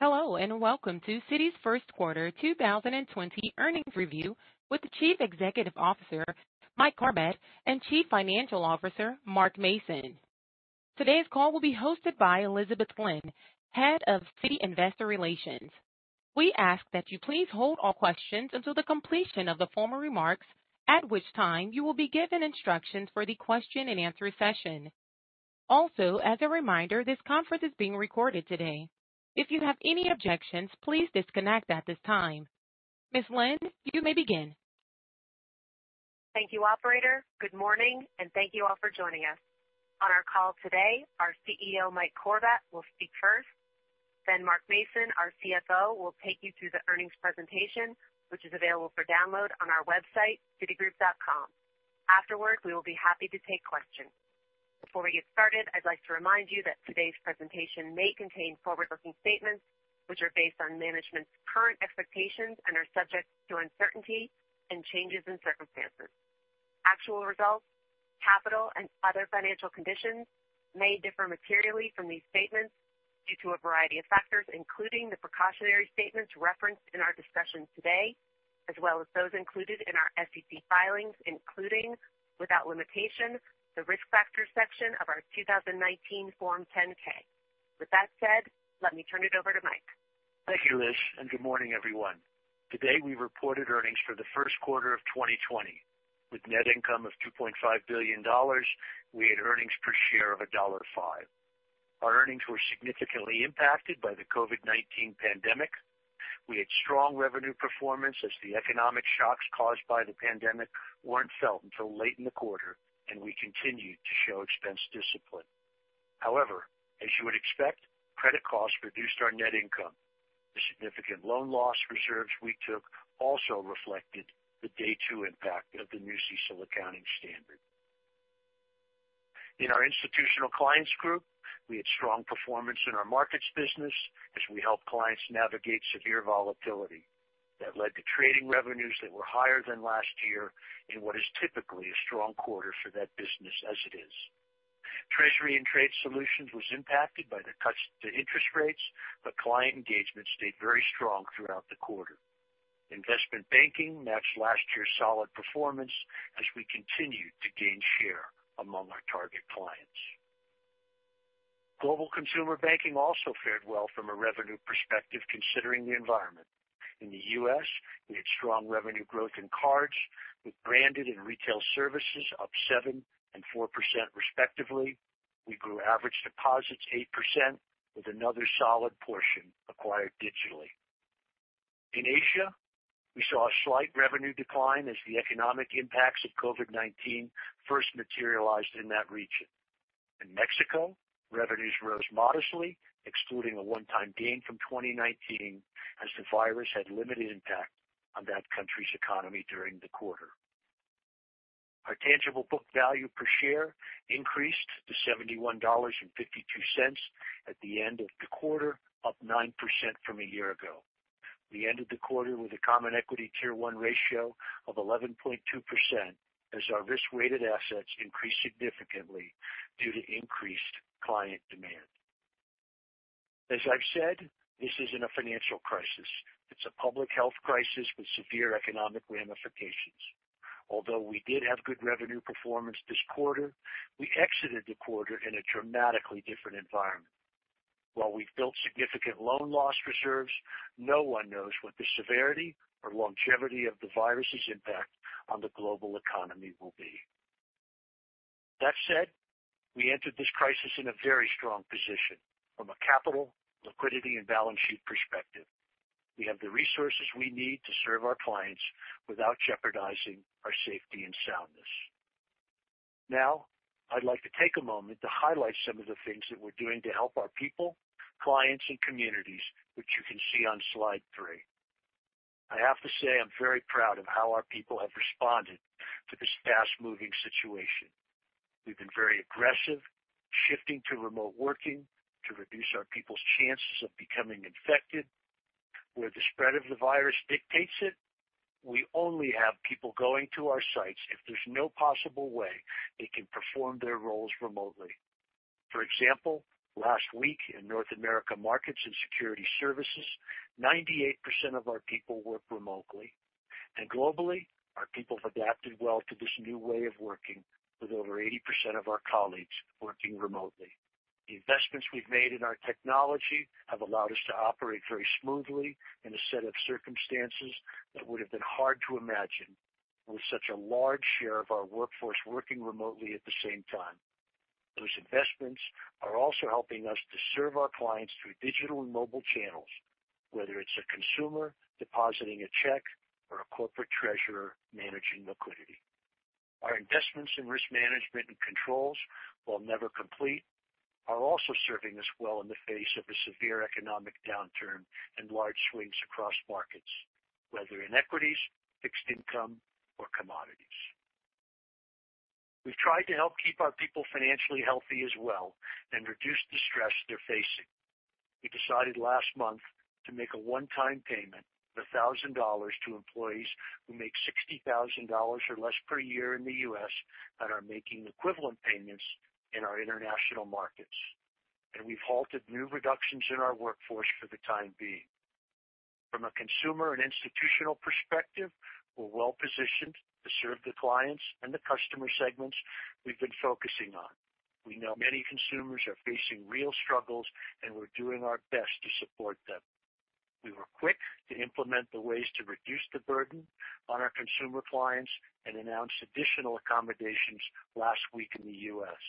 Hello, and welcome to Citi's first quarter 2020 earnings review with the Chief Executive Officer, Mike Corbat, and Chief Financial Officer, Mark Mason. Today's call will be hosted by Elizabeth Lynn, Head of Citi Investor Relations. We ask that you please hold all questions until the completion of the formal remarks, at which time you will be given instructions for the question and answer session. Also, as a reminder, this conference is being recorded today. If you have any objections, please disconnect at this time. Ms. Lynn, you may begin. Thank you, operator. Good morning, and thank you all for joining us. On our call today, our CEO, Mike Corbat, will speak first. Mark Mason, our CFO, will take you through the earnings presentation, which is available for download on our website, citigroup.com. Afterwards, we will be happy to take questions. Before we get started, I'd like to remind you that today's presentation may contain forward-looking statements which are based on management's current expectations and are subject to uncertainty and changes in circumstances. Actual results, capital, and other financial conditions may differ materially from these statements due to a variety of factors, including the precautionary statements referenced in our discussions today, as well as those included in our SEC filings, including, without limitation, the Risk Factors section of our 2019 Form 10-K. With that said, let me turn it over to Mike. Thank you, Liz. Good morning, everyone. Today, we reported earnings for the first quarter of 2020 with net income of $2.5 billion. We had earnings per share of $1.05. Our earnings were significantly impacted by the COVID-19 pandemic. We had strong revenue performance as the economic shocks caused by the pandemic weren't felt until late in the quarter, and we continued to show expense discipline. However, as you would expect, credit costs reduced our net income. The significant loan loss reserves we took also reflected the Day Two impact of the new CECL accounting standard. In our Institutional Clients Group, we had strong performance in our markets business as we helped clients navigate severe volatility. That led to trading revenues that were higher than last year in what is typically a strong quarter for that business as it is. Treasury and Trade Solutions was impacted by the cuts to interest rates, but client engagement stayed very strong throughout the quarter. Investment Banking matched last year's solid performance as we continued to gain share among our target clients. Global Consumer Banking also fared well from a revenue perspective, considering the environment. In the U.S., we had strong revenue growth in cards, with branded cards and Retail Services up 7% and 4% respectively. We grew average deposits 8% with another solid portion acquired digitally. In Asia, we saw a slight revenue decline as the economic impacts of COVID-19 first materialized in that region. In Mexico, revenues rose modestly, excluding a one-time gain from 2019 as the virus had limited impact on that country's economy during the quarter. Our tangible book value per share increased to $71.52 at the end of the quarter, up 9% from a year ago. We ended the quarter with a common equity Tier 1 ratio of 11.2% as our risk-weighted assets increased significantly due to increased client demand. As I've said, this isn't a financial crisis. It's a public health crisis with severe economic ramifications. Although we did have good revenue performance this quarter, we exited the quarter in a dramatically different environment. While we've built significant loan loss reserves, no one knows what the severity or longevity of the virus's impact on the global economy will be. That said, we entered this crisis in a very strong position from a capital, liquidity, and balance sheet perspective. We have the resources we need to serve our clients without jeopardizing our safety and soundness. Now, I'd like to take a moment to highlight some of the things that we're doing to help our people, clients, and communities, which you can see on slide three. I have to say, I'm very proud of how our people have responded to this fast-moving situation. We've been very aggressive, shifting to remote working to reduce our people's chances of becoming infected. Where the spread of the virus dictates it, we only have people going to our sites if there's no possible way they can perform their roles remotely. For example, last week in North America Markets and Securities Services, 98% of our people worked remotely. Globally, our people have adapted well to this new way of working with over 80% of our colleagues working remotely. The investments we've made in our technology have allowed us to operate very smoothly in a set of circumstances that would have been hard to imagine with such a large share of our workforce working remotely at the same time. Those investments are also helping us to serve our clients through digital and mobile channels, whether it's a consumer depositing a check or a corporate treasurer managing liquidity. Our investments in risk management and controls, while never complete, are also serving us well in the face of a severe economic downturn and large swings across markets, whether in Equities, Fixed Income, or commodities. We've tried to help keep our people financially healthy as well and reduce the stress they're facing. We decided last month to make a one-time payment of $1,000 to employees who make $60,000 or less per year in the U.S. and are making equivalent payments in our international markets. We've halted new reductions in our workforce for the time being. From a consumer and institutional perspective, we're well-positioned to serve the clients and the customer segments we've been focusing on. We know many consumers are facing real struggles, and we're doing our best to support them. We were quick to implement the ways to reduce the burden on our consumer clients and announced additional accommodations last week in the U.S.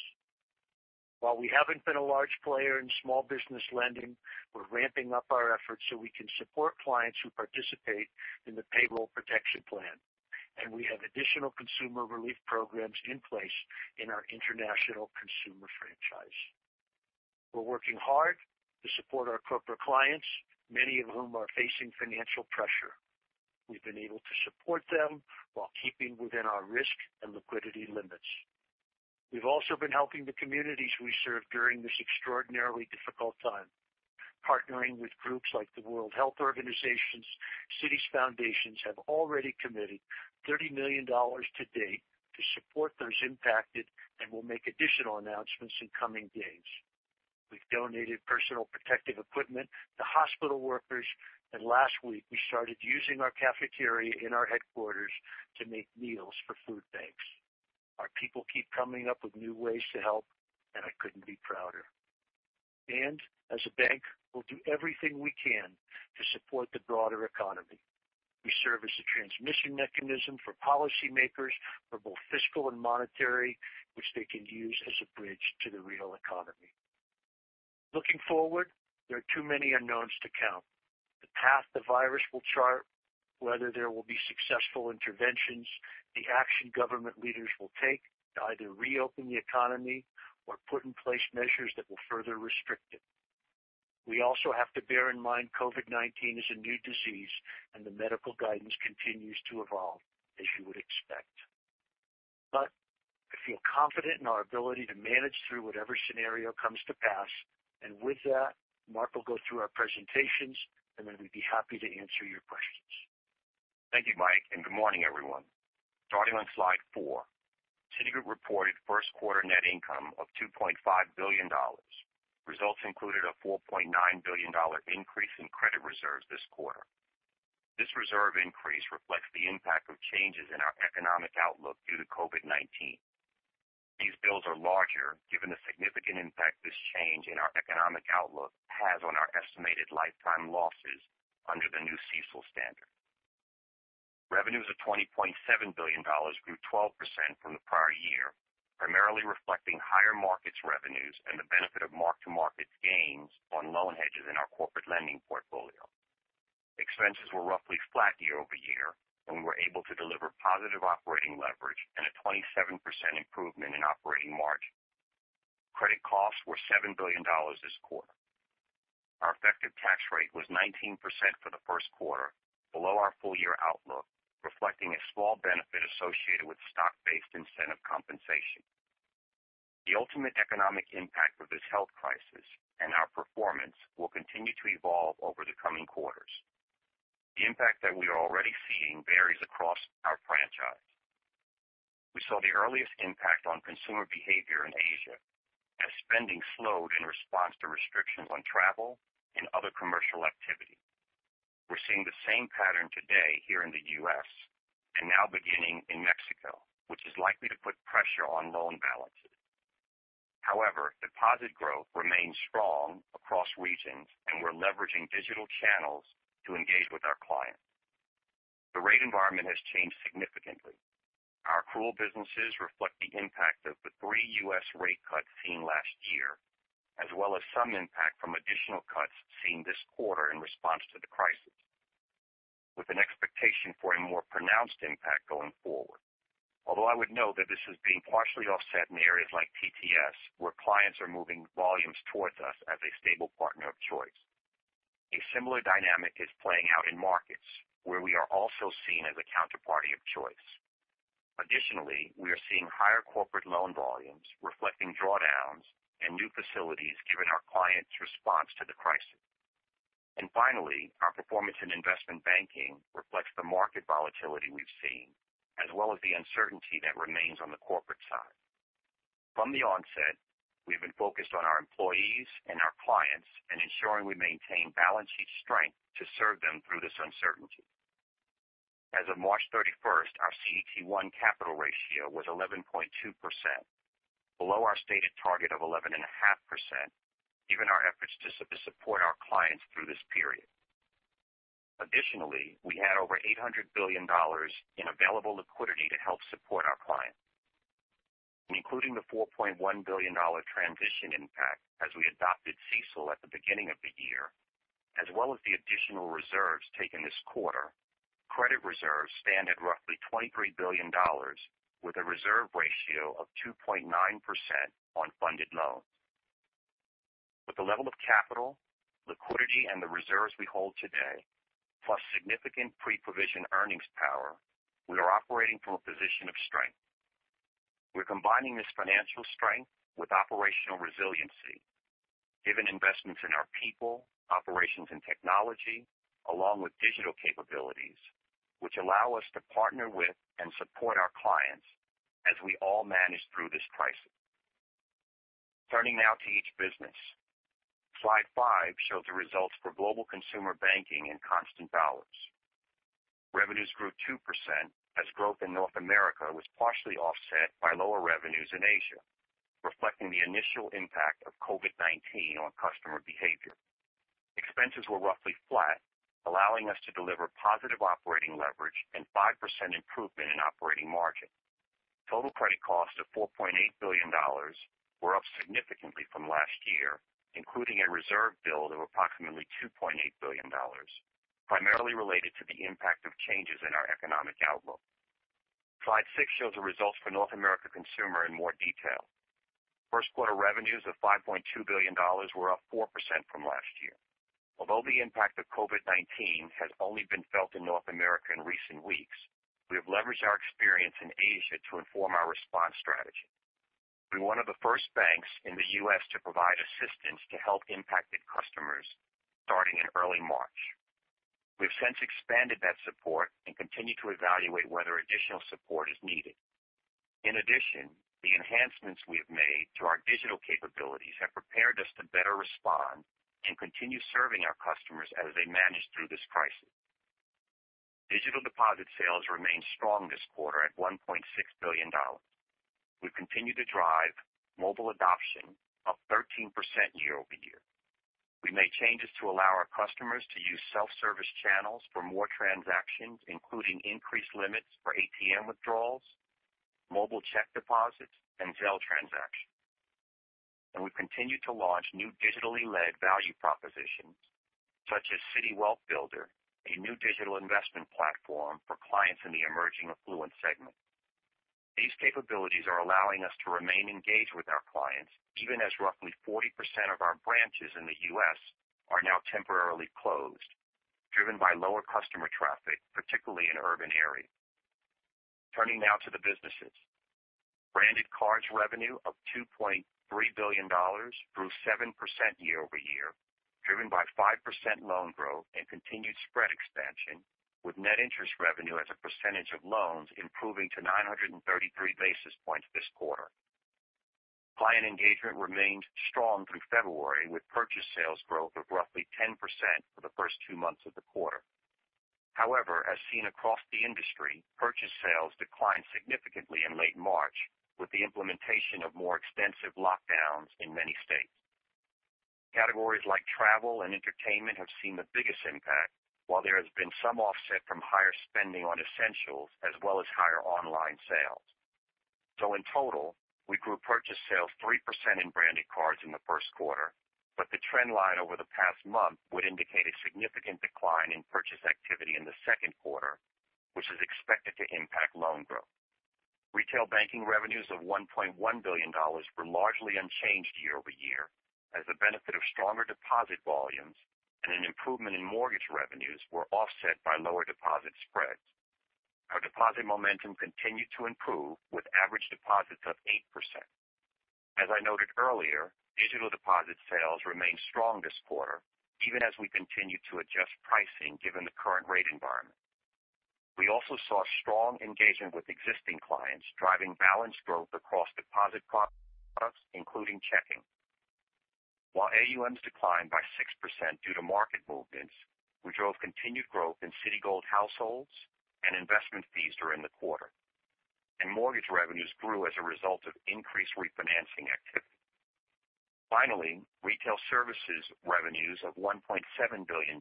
While we haven't been a large player in small business lending, we're ramping up our efforts so we can support clients who participate in the Paycheck Protection Program. We have additional consumer relief programs in place in our international consumer franchise. We're working hard to support our corporate clients, many of whom are facing financial pressure. We've been able to support them while keeping within our risk and liquidity limits. We've also been helping the communities we serve during this extraordinarily difficult time. Partnering with groups like the World Health Organization, Citi Foundation have already committed $30 million to date to support those impacted and will make additional announcements in coming days. We've donated personal protective equipment to hospital workers, and last week, we started using our cafeteria in our headquarters to make meals for food banks. Our people keep coming up with new ways to help, and I couldn't be prouder. As a bank, we'll do everything we can to support the broader economy. We serve as a transmission mechanism for policymakers for both fiscal and monetary, which they can use as a bridge to the real economy. Looking forward, there are too many unknowns to count. The path the virus will chart, whether there will be successful interventions, the action government leaders will take to either reopen the economy or put in place measures that will further restrict it. We also have to bear in mind COVID-19 is a new disease, and the medical guidance continues to evolve, as you would expect. I feel confident in our ability to manage through whatever scenario comes to pass. With that, Mark will go through our presentations, and then we'd be happy to answer your questions. Thank you, Mike, and good morning, everyone. Starting on slide four, Citigroup reported first quarter net income of $2.5 billion. Results included a $4.9 billion increase in credit reserves this quarter. This reserve increase reflects the impact of changes in our economic outlook due to COVID-19. These bills are larger, given the significant impact this change in our economic outlook has on our estimated lifetime losses under the new CECL standard. Revenues of $20.7 billion grew 12% from the prior year, primarily reflecting higher Markets revenues and the benefit of mark-to-market gains on loan hedges in our corporate lending portfolio. Expenses were roughly flat year-over-year, and we were able to deliver positive operating leverage and a 27% improvement in operating margin. Credit costs were $7 billion this quarter. Our effective tax rate was 19% for the first quarter, below our full-year outlook, reflecting a small benefit associated with stock-based incentive compensation. The ultimate economic impact of this health crisis and our performance will continue to evolve over the coming quarters. The impact that we are already seeing varies across our franchise. We saw the earliest impact on consumer behavior in Asia as spending slowed in response to restrictions on travel and other commercial activity. We're seeing the same pattern today here in the U.S. and now beginning in Mexico, which is likely to put pressure on loan balances. However, deposit growth remains strong across regions, and we're leveraging digital channels to engage with our clients. The rate environment has changed significantly. Our accrual businesses reflect the impact of the three U.S. rate cuts seen last year, as well as some impact from additional cuts seen this quarter in response to the crisis, with an expectation for a more pronounced impact going forward. I would note that this is being partially offset in areas like TTS, where clients are moving volumes towards us as a stable partner of choice. A similar dynamic is playing out in markets where we are also seen as a counterparty of choice. Additionally, we are seeing higher corporate loan volumes reflecting drawdowns and new facilities given our clients' response to the crisis. Finally, our performance in Investment Banking reflects the market volatility we've seen, as well as the uncertainty that remains on the corporate side. From the onset, we've been focused on our employees and our clients and ensuring we maintain balance sheet strength to serve them through this uncertainty. As of March 31st, our CET1 capital ratio was 11.2%, below our stated target of 11.5%, given our efforts to support our clients through this period. Additionally, we had over $800 billion in available liquidity to help support our clients. Including the $4.1 billion transition impact as we adopted CECL at the beginning of the year, as well as the additional reserves taken this quarter, credit reserves stand at roughly $23 billion, with a reserve ratio of 2.9% on funded loans. With the level of capital, liquidity, and the reserves we hold today, plus significant pre-provision earnings power, we are operating from a position of strength. We're combining this financial strength with operational resiliency, given investments in our people, operations, and technology, along with digital capabilities, which allow us to partner with and support our clients as we all manage through this crisis. Turning now to each business. Slide five shows the results for Global Consumer Banking in constant dollars. Revenues grew 2% as growth in North America was partially offset by lower revenues in Asia, reflecting the initial impact of COVID-19 on customer behavior. Expenses were roughly flat, allowing us to deliver positive operating leverage and 5% improvement in operating margin. Total credit costs of $4.8 billion were up significantly from last year, including a reserve build of approximately $2.8 billion, primarily related to the impact of changes in our economic outlook. Slide six shows the results for North America Consumer in more detail. First quarter revenues of $5.2 billion were up 4% from last year. Although the impact of COVID-19 has only been felt in North America in recent weeks, we have leveraged our experience in Asia to inform our response strategy. We're one of the first banks in the U.S. to provide assistance to help impacted customers, starting in early March. We've since expanded that support and continue to evaluate whether additional support is needed. In addition, the enhancements we have made to our digital capabilities have prepared us to better respond and continue serving our customers as they manage through this crisis. Digital deposit sales remained strong this quarter at $1.6 billion. We've continued to drive mobile adoption up 13% year-over-year. We made changes to allow our customers to use self-service channels for more transactions, including increased limits for ATM withdrawals, mobile check deposits, and Zelle transactions. We've continued to launch new digitally led value propositions such as Citi Wealth Builder, a new digital investment platform for clients in the emerging affluent segment. These capabilities are allowing us to remain engaged with our clients, even as roughly 40% of our branches in the U.S. are now temporarily closed, driven by lower customer traffic, particularly in urban areas. Turning now to the businesses. Branded cards revenue of $2.3 billion grew 7% year-over-year, driven by 5% loan growth and continued spread expansion, with net interest revenue as a percentage of loans improving to 933 basis points this quarter. Client engagement remained strong through February with purchase sales growth of roughly 10% for the first two months of the quarter. However, as seen across the industry, purchase sales declined significantly in late March with the implementation of more extensive lockdowns in many states. Categories like travel and entertainment have seen the biggest impact, while there has been some offset from higher spending on essentials, as well as higher online sales. In total, we grew purchase sales 3% in branded cards in the first quarter. The trend line over the past month would indicate a significant decline in purchase activity in the second quarter, which is expected to impact loan growth. Retail banking revenues of $1.1 billion were largely unchanged year-over-year, as the benefit of stronger deposit volumes and an improvement in mortgage revenues were offset by lower deposit spreads. Our deposit momentum continued to improve with average deposits up 8%. As I noted earlier, digital deposit sales remained strong this quarter, even as we continued to adjust pricing given the current rate environment. We also saw strong engagement with existing clients, driving balance growth across deposit products, including checking. While AUMs declined by 6% due to market movements, we drove continued growth in Citigold households and investment fees during the quarter, and mortgage revenues grew as a result of increased refinancing activity. Finally, retail services revenues of $1.7 billion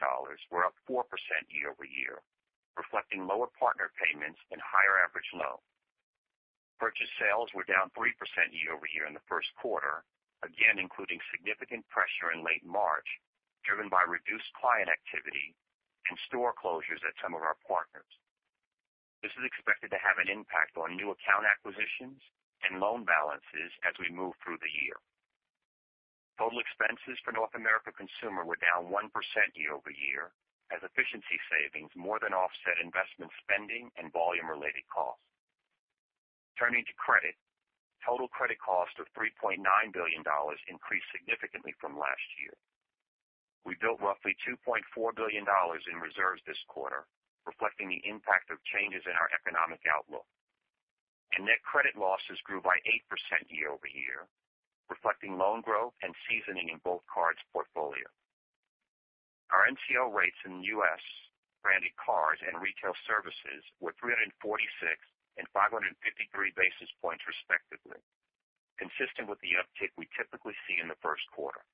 were up 4% year-over-year, reflecting lower partner payments and higher average loans. Purchase sales were down 3% year-over-year in the first quarter, again including significant pressure in late March, driven by reduced client activity and store closures at some of our partners. This is expected to have an impact on new account acquisitions and loan balances as we move through the year. Total expenses for North America Consumer were down 1% year-over-year, as efficiency savings more than offset investment spending and volume-related costs. Turning to credit. Total credit costs of $3.9 billion increased significantly from last year. We built roughly $2.4 billion in reserves this quarter, reflecting the impact of changes in our economic outlook. Net credit losses grew by 8% year-over-year, reflecting loan growth and seasoning in both cards portfolio. Our NCO rates in U.S. branded cards and Retail Services were 346 and 553 basis points respectively, consistent with the uptick we typically see in the first quarter.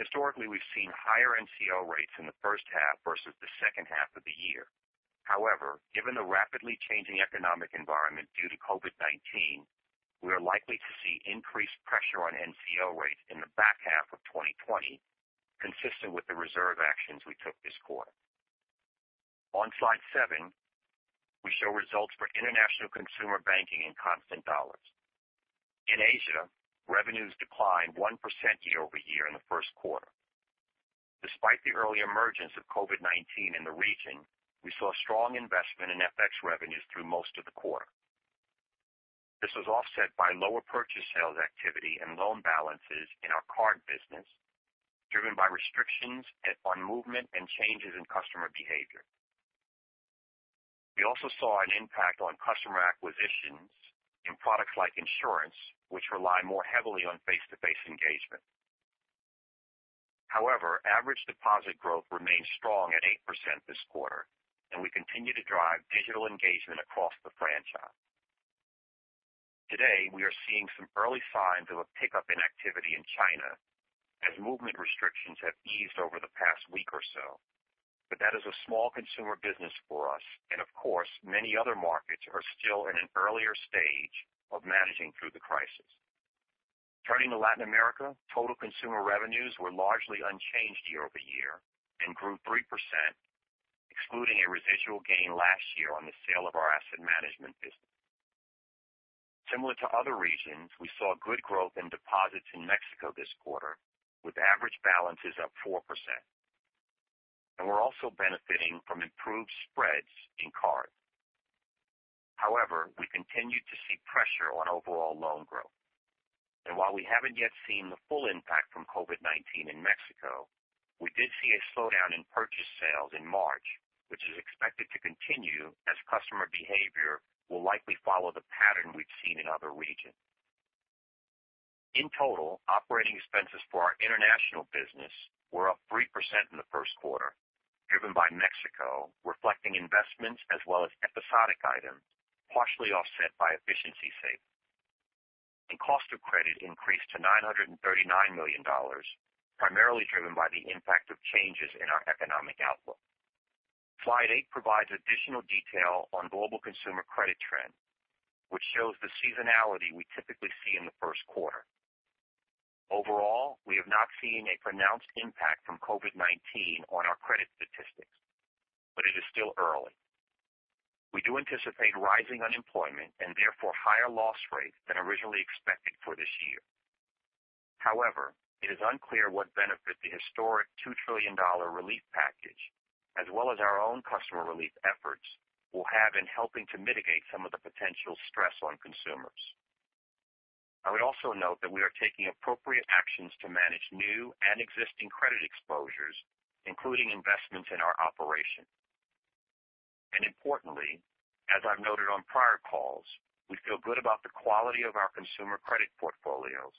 Historically, we've seen higher NCO rates in the first half versus the second half of the year. However, given the rapidly changing economic environment due to COVID-19, we are likely to see increased pressure on NCO rates in the back half of 2020, consistent with the reserve actions we took this quarter. On slide seven, we show results for International Consumer Banking in constant dollars. In Asia, revenues declined 1% year-over-year in the first quarter. Despite the early emergence of COVID-19 in the region, we saw strong investment in FX revenues through most of the quarter. This was offset by lower purchase sales activity and loan balances in our card business, driven by restrictions on movement and changes in customer behavior. We also saw an impact on customer acquisitions in products like insurance, which rely more heavily on face-to-face engagement. Average deposit growth remains strong at 8% this quarter, and we continue to drive digital engagement across the franchise. Today, we are seeing some early signs of a pickup in activity in China as movement restrictions have eased over the past week or so. That is a small consumer business for us. Of course, many other markets are still in an earlier stage of managing through the crisis. Turning to Latin America, total consumer revenues were largely unchanged year-over-year and grew 3%, excluding a residual gain last year on the sale of our asset management business. Similar to other regions, we saw good growth in deposits in Mexico this quarter, with average balances up 4%. We're also benefiting from improved spreads in cards. However, we continue to see pressure on overall loan growth. While we haven't yet seen the full impact from COVID-19 in Mexico, we did see a slowdown in purchase sales in March, which is expected to continue as customer behavior will likely follow the pattern we've seen in other regions. In total, operating expenses for our international business were up 3% in the first quarter, driven by Mexico, reflecting investments as well as episodic items partially offset by efficiency savings. Cost of credit increased to $939 million, primarily driven by the impact of changes in our economic outlook. Slide eight provides additional detail on global consumer credit trends, which shows the seasonality we typically see in the first quarter. Overall, we have not seen a pronounced impact from COVID-19 on our credit statistics, but it is still early. We do anticipate rising unemployment and therefore higher loss rates than originally expected for this year. However, it is unclear what benefit the historic $2 trillion relief package, as well as our own customer relief efforts, will have in helping to mitigate some of the potential stress on consumers. I would also note that we are taking appropriate actions to manage new and existing credit exposures, including investments in our operations. Importantly, as I've noted on prior calls, we feel good about the quality of our consumer credit portfolios,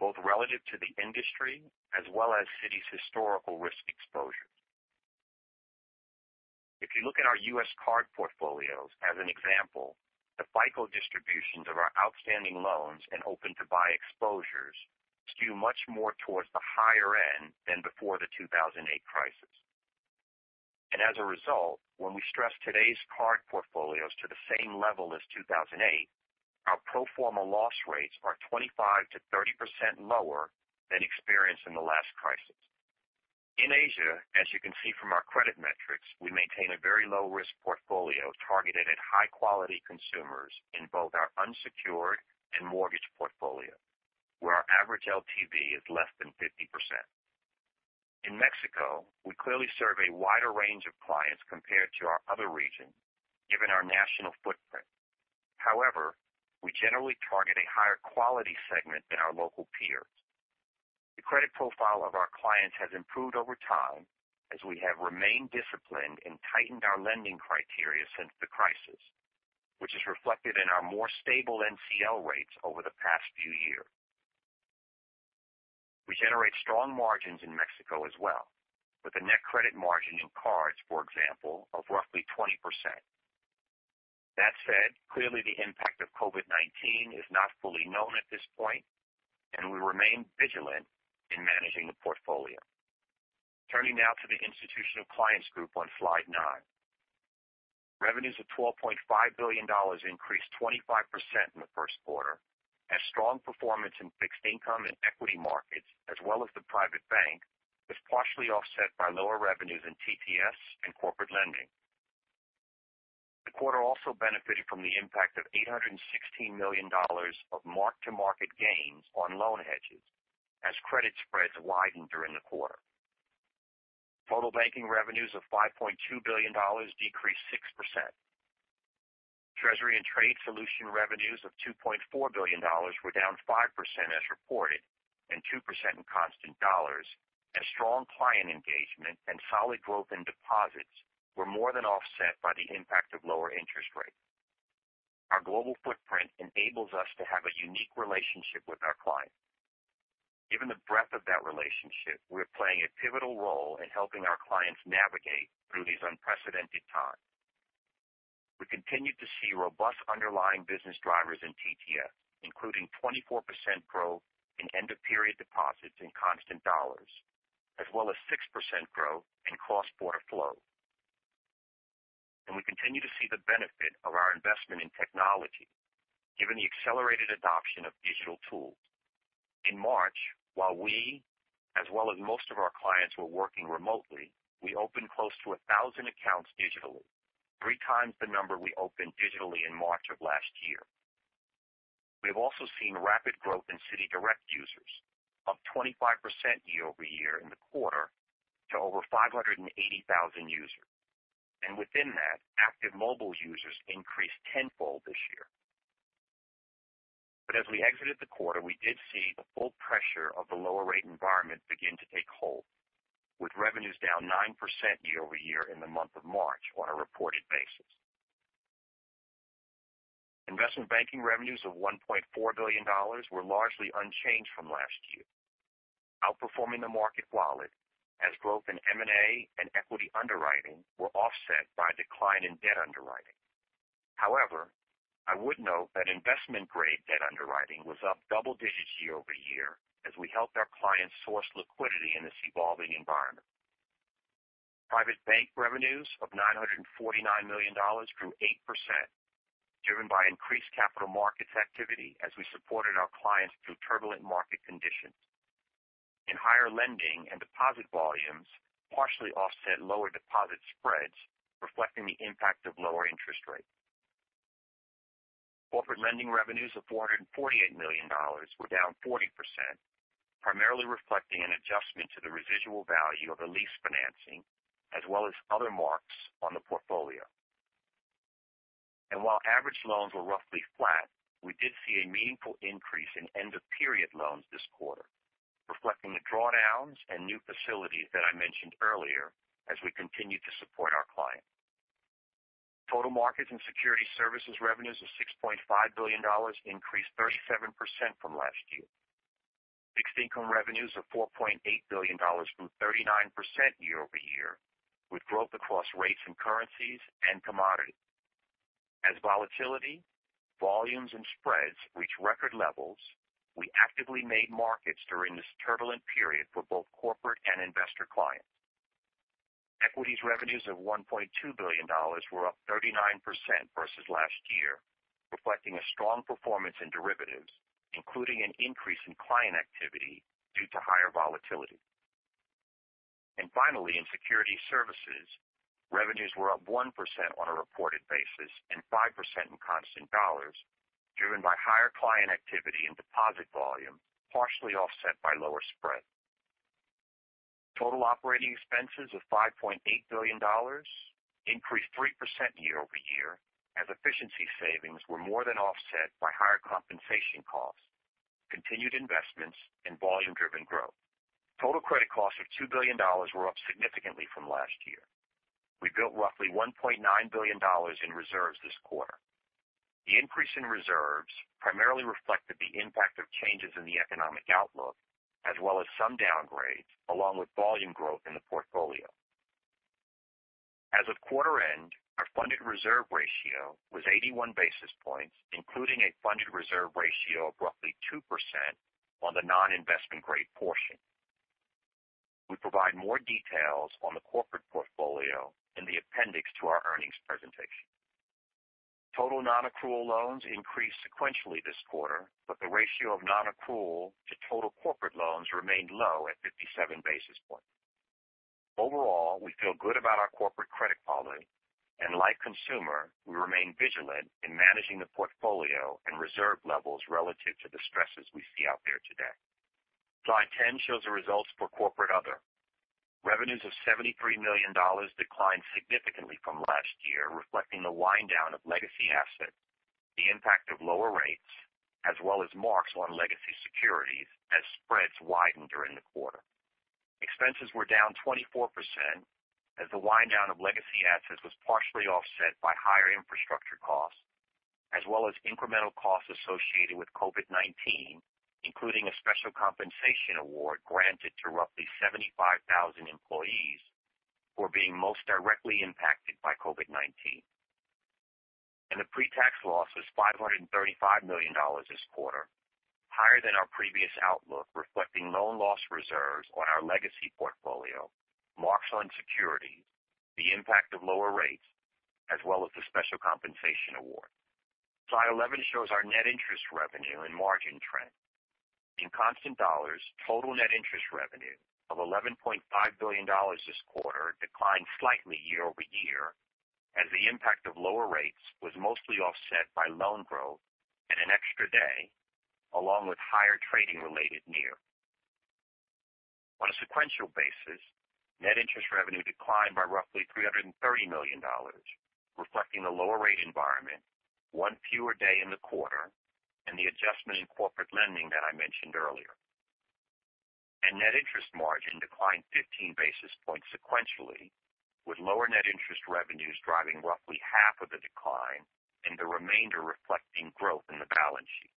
both relative to the industry as well as Citi's historical risk exposures. If you look at our U.S. card portfolios as an example, the FICO distributions of our outstanding loans and open-to-buy exposures skew much more towards the higher end than before the 2008 crisis. As a result, when we stress today's card portfolios to the same level as 2008, our pro forma loss rates are 25%-30% lower than experienced in the last crisis. In Asia, as you can see from our credit metrics, we maintain a very low-risk portfolio targeted at high-quality consumers in both our unsecured and mortgage portfolio, where our average LTV is less than 50%. In Mexico, we clearly serve a wider range of clients compared to our other regions, given our national footprint. However, we generally target a higher quality segment than our local peers. The credit profile of our clients has improved over time as we have remained disciplined and tightened our lending criteria since the crisis, which is reflected in our more stable NCL rates over the past few years. We generate strong margins in Mexico as well, with a net credit margin in cards, for example, of roughly 20%. That said, clearly the impact of COVID-19 is not fully known at this point, and we remain vigilant in managing the portfolio. Turning now to the Institutional Clients Group on slide nine. Revenues of $12.5 billion increased 25% in the first quarter as strong performance in fixed income and equity markets, as well as the Private Bank, was partially offset by lower revenues in TTS and corporate lending. The quarter also benefited from the impact of $816 million of mark-to-market gains on loan hedges as credit spreads widened during the quarter. Total banking revenues of $5.2 billion decreased 6%. Treasury and Trade Solutions revenues of $2.4 billion were down 5% as reported, and 2% in constant dollars as strong client engagement and solid growth in deposits were more than offset by the impact of lower interest rates. Our global footprint enables us to have a unique relationship with our clients. Given the breadth of that relationship, we're playing a pivotal role in helping our clients navigate through these unprecedented times. We continue to see robust underlying business drivers in TTS, including 24% growth in end-of-period deposits in constant dollars, as well as 6% growth in cross-border flow. We continue to see the benefit of our investment in technology given the accelerated adoption of digital tools. In March, while we, as well as most of our clients were working remotely, we opened close to 1,000 accounts digitally, three times the number we opened digitally in March of last year. We have also seen rapid growth in CitiDirect users, up 25% year-over-year in the quarter to over 580,000 users. Within that, active mobile users increased tenfold this year. As we exited the quarter, we did see the full pressure of the lower rate environment begin to take hold, with revenues down 9% year-over-year in the month of March on a reported basis. Investment Banking revenues of $1.4 billion were largely unchanged from last year, outperforming the market wallet as growth in M&A and equity underwriting were offset by a decline in debt underwriting. However, I would note that investment-grade debt underwriting was up double digits year-over-year as we helped our clients source liquidity in this evolving environment. Private Bank revenues of $949 million grew 8%, driven by increased capital markets activity as we supported our clients through turbulent market conditions. Higher lending and deposit volumes partially offset lower deposit spreads, reflecting the impact of lower interest rates. Corporate lending revenues of $448 million were down 40%, primarily reflecting an adjustment to the residual value of the lease financing, as well as other marks on the portfolio. While average loans were roughly flat, we did see a meaningful increase in end-of-period loans this quarter, reflecting the drawdowns and new facilities that I mentioned earlier as we continue to support our clients. Total Markets and Securities Services revenues of $6.5 billion increased 37% from last year. Fixed income revenues of $4.8 billion grew 39% year-over-year, with growth across rates and currencies and commodities. As volatility, volumes, and spreads reach record levels, we actively made markets during this turbulent period for both corporate and investor clients. Equities revenues of $1.2 billion were up 39% versus last year, reflecting a strong performance in derivatives, including an increase in client activity due to higher volatility. Finally, in Securities Services, revenues were up 1% on a reported basis and 5% in constant dollars, driven by higher client activity and deposit volume, partially offset by lower spread. Total operating expenses of $5.8 billion increased 3% year-over-year as efficiency savings were more than offset by higher compensation costs, continued investments, and volume-driven growth. Total credit costs of $2 billion were up significantly from last year. We built roughly $1.9 billion in reserves this quarter. The increase in reserves primarily reflected the impact of changes in the economic outlook, as well as some downgrades, along with volume growth in the portfolio. As of quarter-end, our funded reserve ratio was 81 basis points, including a funded reserve ratio of roughly 2% on the non-investment grade portion. We provide more details on the corporate portfolio in the appendix to our earnings presentation. Total non-accrual loans increased sequentially this quarter, but the ratio of non-accrual to total corporate loans remained low at 57 basis points. Overall, we feel good about our corporate credit quality, and like consumer, we remain vigilant in managing the portfolio and reserve levels relative to the stresses we see out there today. Slide 10 shows the results for corporate other. Revenues of $73 million declined significantly from last year, reflecting the wind down of legacy assets, the impact of lower rates, as well as marks on legacy securities as spreads widened during the quarter. Expenses were down 24% as the wind down of legacy assets was partially offset by higher infrastructure costs, as well as incremental costs associated with COVID-19, including a special compensation award granted to roughly 75,000 employees for being most directly impacted by COVID-19. The pre-tax loss was $535 million this quarter, higher than our previous outlook, reflecting loan loss reserves on our legacy portfolio, marks on security, the impact of lower rates, as well as the special compensation award. Slide 11 shows our net interest revenue and margin trend. In constant dollars, total net interest revenue of $11.5 billion this quarter declined slightly year-over-year as the impact of lower rates was mostly offset by loan growth and an extra day, along with higher trading-related NIM. On a sequential basis, net interest revenue declined by roughly $330 million, reflecting a lower rate environment, one fewer day in the quarter, and the adjustment in Corporate Lending that I mentioned earlier. Net interest margin declined 15 basis points sequentially, with lower net interest revenues driving roughly half of the decline and the remainder reflecting growth in the balance sheet.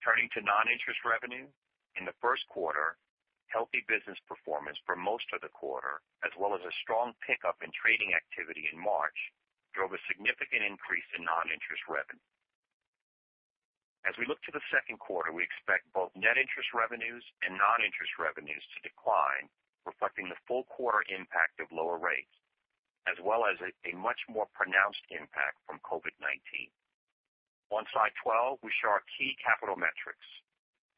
Turning to non-interest revenue, in the first quarter, healthy business performance for most of the quarter, as well as a strong pickup in trading activity in March, drove a significant increase in non-interest revenue. As we look to the second quarter, we expect both net interest revenues and non-interest revenues to decline, reflecting the full quarter impact of lower rates. As well as a much more pronounced impact from COVID-19. On slide 12, we show our key capital metrics.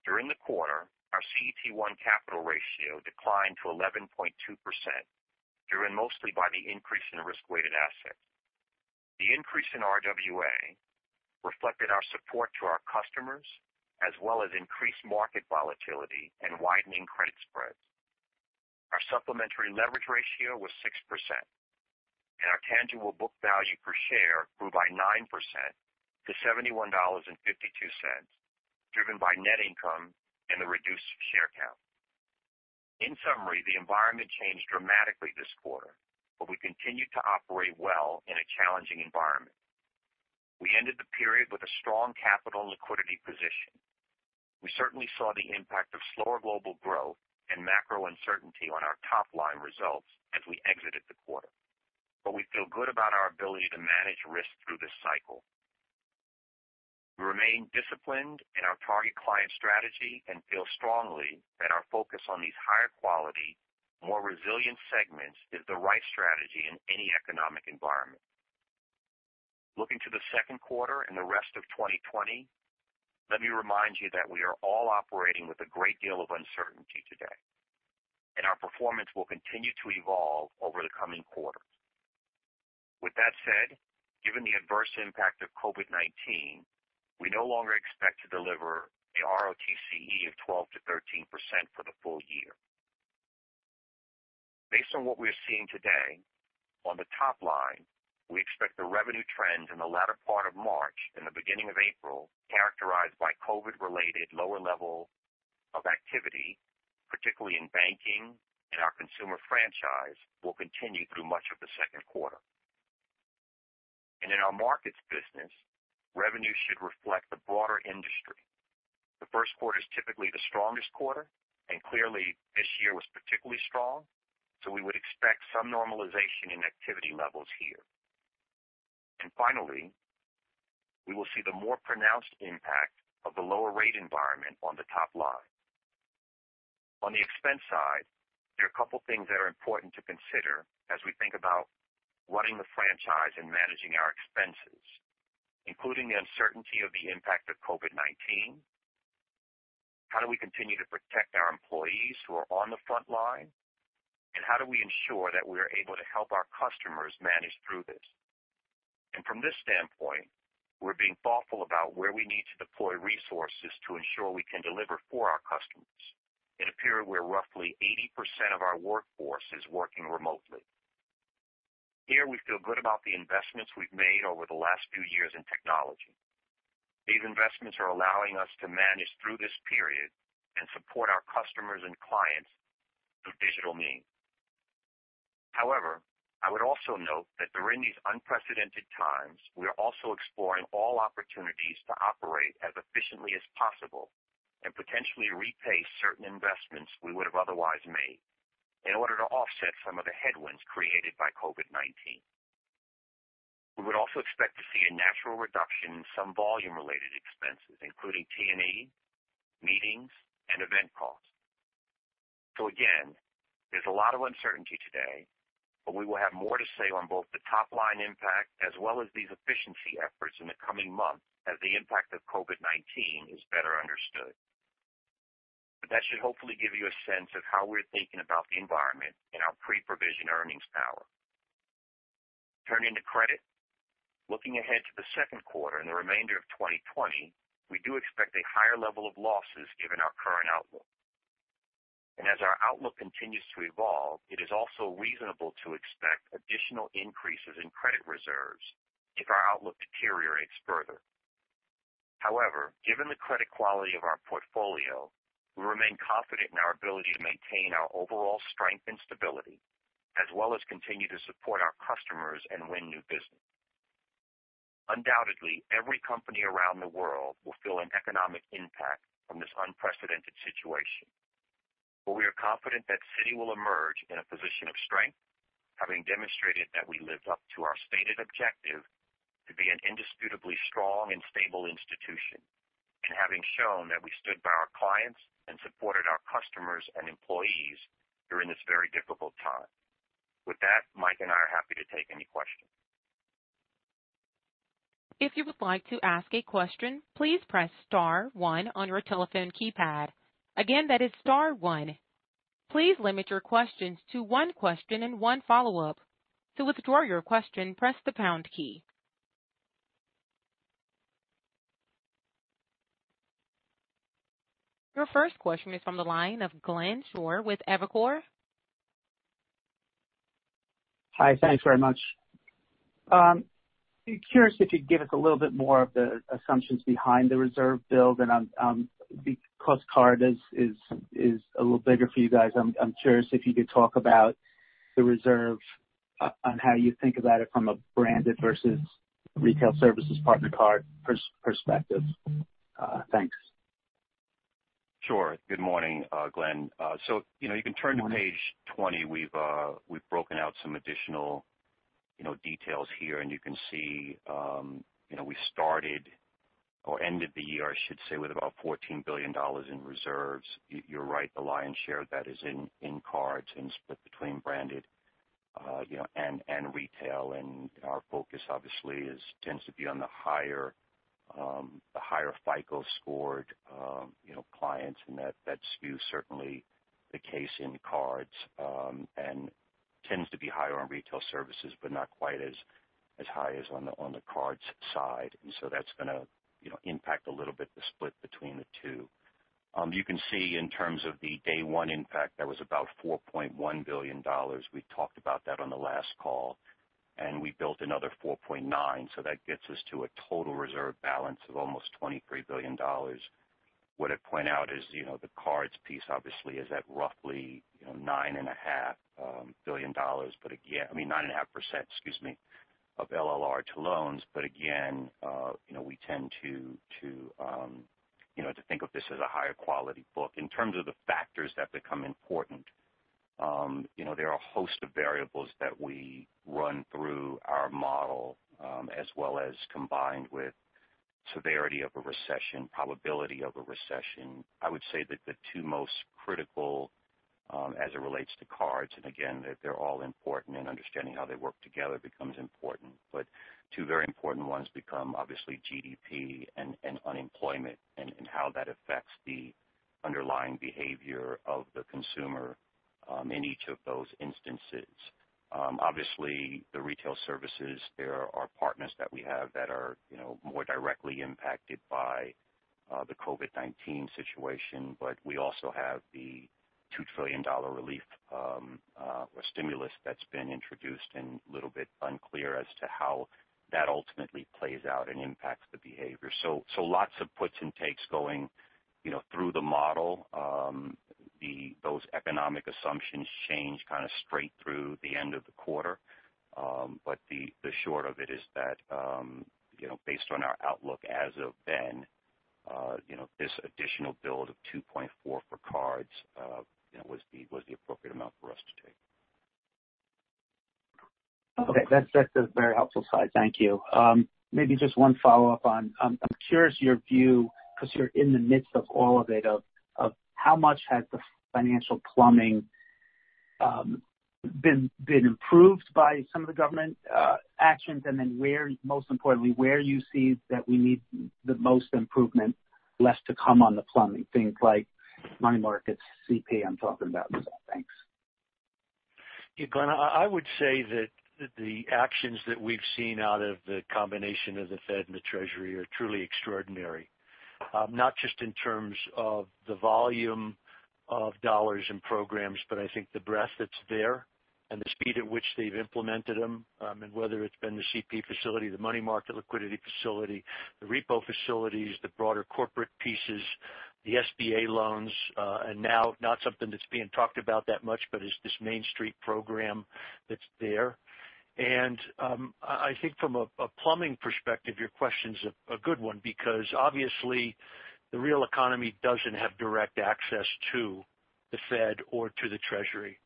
During the quarter, our CET1 capital ratio declined to 11.2%, driven mostly by the increase in risk-weighted assets. The increase in RWA reflected our support to our customers, as well as increased market volatility and widening credit spreads. Our supplementary leverage ratio was 6%, and our tangible book value per share grew by 9% to $71.52, driven by net income and the reduced share count. In summary, the environment changed dramatically this quarter, we continued to operate well in a challenging environment. We ended the period with a strong capital and liquidity position. We certainly saw the impact of slower global growth and macro uncertainty on our top-line results as we exited the quarter. We feel good about our ability to manage risk through this cycle. We remain disciplined in our target client strategy and feel strongly that our focus on these higher quality, more resilient segments is the right strategy in any economic environment. Looking to the second quarter and the rest of 2020, let me remind you that we are all operating with a great deal of uncertainty today, and our performance will continue to evolve over the coming quarters. With that said, given the adverse impact of COVID-19, we no longer expect to deliver a ROTCE of 12%-13% for the full year. Based on what we're seeing today, on the top line, we expect the revenue trends in the latter part of March and the beginning of April, characterized by COVID-related lower level of activity, particularly in banking and our consumer franchise, will continue through much of the second quarter. In our markets business, revenue should reflect the broader industry. The first quarter is typically the strongest quarter, and clearly this year was particularly strong, so we would expect some normalization in activity levels here. Finally, we will see the more pronounced impact of the lower rate environment on the top line. On the expense side, there are a couple things that are important to consider as we think about running the franchise and managing our expenses, including the uncertainty of the impact of COVID-19. How do we continue to protect our employees who are on the front line? How do we ensure that we are able to help our customers manage through this? From this standpoint, we're being thoughtful about where we need to deploy resources to ensure we can deliver for our customers in a period where roughly 80% of our workforce is working remotely. Here we feel good about the investments we've made over the last few years in technology. These investments are allowing us to manage through this period and support our customers and clients through digital means. However, I would also note that during these unprecedented times, we are also exploring all opportunities to operate as efficiently as possible and potentially repace certain investments we would have otherwise made in order to offset some of the headwinds created by COVID-19. We would also expect to see a natural reduction in some volume-related expenses, including T&E, meetings, and event costs. Again, there's a lot of uncertainty today, but we will have more to say on both the top-line impact as well as these efficiency efforts in the coming months as the impact of COVID-19 is better understood. That should hopefully give you a sense of how we're thinking about the environment in our pre-provision earnings power. Turning to credit. Looking ahead to the second quarter and the remainder of 2020, we do expect a higher level of losses given our current outlook. As our outlook continues to evolve, it is also reasonable to expect additional increases in credit reserves if our outlook deteriorates further. However, given the credit quality of our portfolio, we remain confident in our ability to maintain our overall strength and stability, as well as continue to support our customers and win new business. Undoubtedly, every company around the world will feel an economic impact from this unprecedented situation. We are confident that Citi will emerge in a position of strength, having demonstrated that we lived up to our stated objective to be an indisputably strong and stable institution, and having shown that we stood by our clients and supported our customers and employees during this very difficult time. With that, Mike and I are happy to take any questions. If you would like to ask a question, please press star one on your telephone keypad. Again, that is star one. Please limit your questions to one question and one follow-up. To withdraw your question, press the pound key. Your first question is from the line of Glenn Schorr with Evercore. Hi. Thanks very much. I'm curious if you could give us a little bit more of the assumptions behind the reserve build, and because card is a little bigger for you guys, I'm curious if you could talk about the reserve on how you think about it from a branded versus Retail Services partner card perspective. Thanks. Sure. Good morning, Glenn. You can turn to page 20. We've broken out some additional details here, and you can see we started. Ended the year, I should say, with about $14 billion in reserves. You're right, the lion's share of that is in cards and split between branded and retail. Our focus obviously tends to be on the higher FICO scored clients, and that skew's certainly the case in cards. Tends to be higher on Retail Services, but not quite as high as on the cards side. That's going to impact a little bit the split between the two. You can see in terms of the day one impact, that was about $4.1 billion. We talked about that on the last call, and we built another $4.9, so that gets us to a total reserve balance of almost $23 billion. What I'd point out is the cards piece obviously is at roughly $9.5 billion. I mean 9.5%, excuse me, of LLR to loans. Again, we tend to think of this as a higher quality book. In terms of the factors that become important, there are a host of variables that we run through our model as well as combined with severity of a recession, probability of a recession. I would say that the two most critical as it relates to cards, and again, they're all important and understanding how they work together becomes important. Two very important ones become obviously GDP and unemployment and how that affects the underlying behavior of the consumer in each of those instances. Obviously, the Retail Services, there are partners that we have that are more directly impacted by the COVID-19 situation. We also have the $2 trillion relief or stimulus that's been introduced and little bit unclear as to how that ultimately plays out and impacts the behavior. Lots of puts and takes going through the model. Those economic assumptions change kind of straight through the end of the quarter. The short of it is that based on our outlook as of then, this additional build of $2.4 for cards was the appropriate amount for us to take. Okay. That's a very helpful slide. Thank you. Maybe just one follow-up. I'm curious, your view, because you're in the midst of all of it, of how much has the financial plumbing been improved by some of the government actions and then most importantly, where you see that we need the most improvement left to come on the plumbing. Things like money markets, CP, I'm talking about. Thanks. Glenn, I would say that the actions that we've seen out of the combination of the Fed and the Treasury are truly extraordinary. Not just in terms of the volume of dollars in programs, but I think the breadth that's there and the speed at which they've implemented them. Whether it's been the CP facility, the money market liquidity facility, the repo facilities, the broader corporate pieces, the SBA loans, and now not something that's being talked about that much, but is this Main Street Lending Program that's there. I think from a plumbing perspective, your question's a good one because obviously the real economy doesn't have direct access to the Fed or to the Treasury.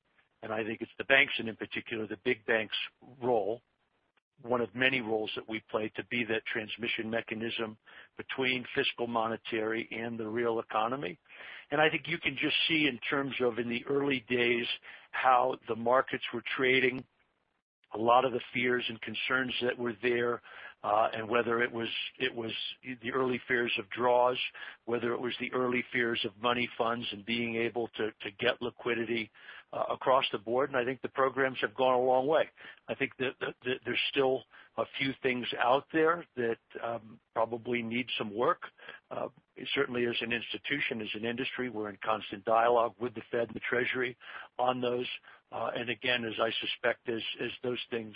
I think it's the banks and in particular, the big banks' role, one of many roles that we play to be that transmission mechanism between fiscal, monetary, and the real economy. I think you can just see in terms of in the early days, how the markets were trading, a lot of the fears and concerns that were there, and whether it was the early fears of draws, whether it was the early fears of money funds and being able to get liquidity across the board. I think the programs have gone a long way. I think that there's still a few things out there that probably need some work. Certainly as an institution, as an industry, we're in constant dialogue with the Fed and the Treasury on those. Again, as I suspect as those things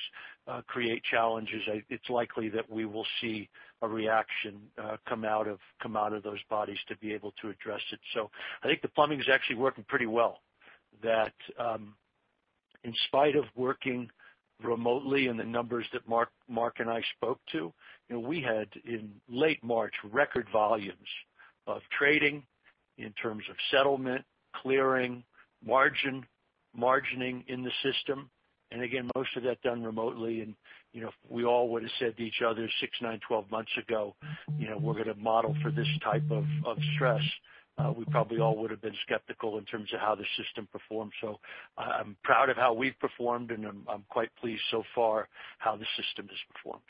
create challenges, it's likely that we will see a reaction come out of those bodies to be able to address it. I think the plumbing is actually working pretty well. That in spite of working remotely and the numbers that Mark and I spoke to, we had in late March record volumes of trading in terms of settlement, clearing, margin, margining in the system. Again, most of that done remotely. If we all would've said to each other six, nine, 12 months ago, we're going to model for this type of stress, we probably all would've been skeptical in terms of how the system performed. I'm proud of how we've performed, and I'm quite pleased so far how the system has performed.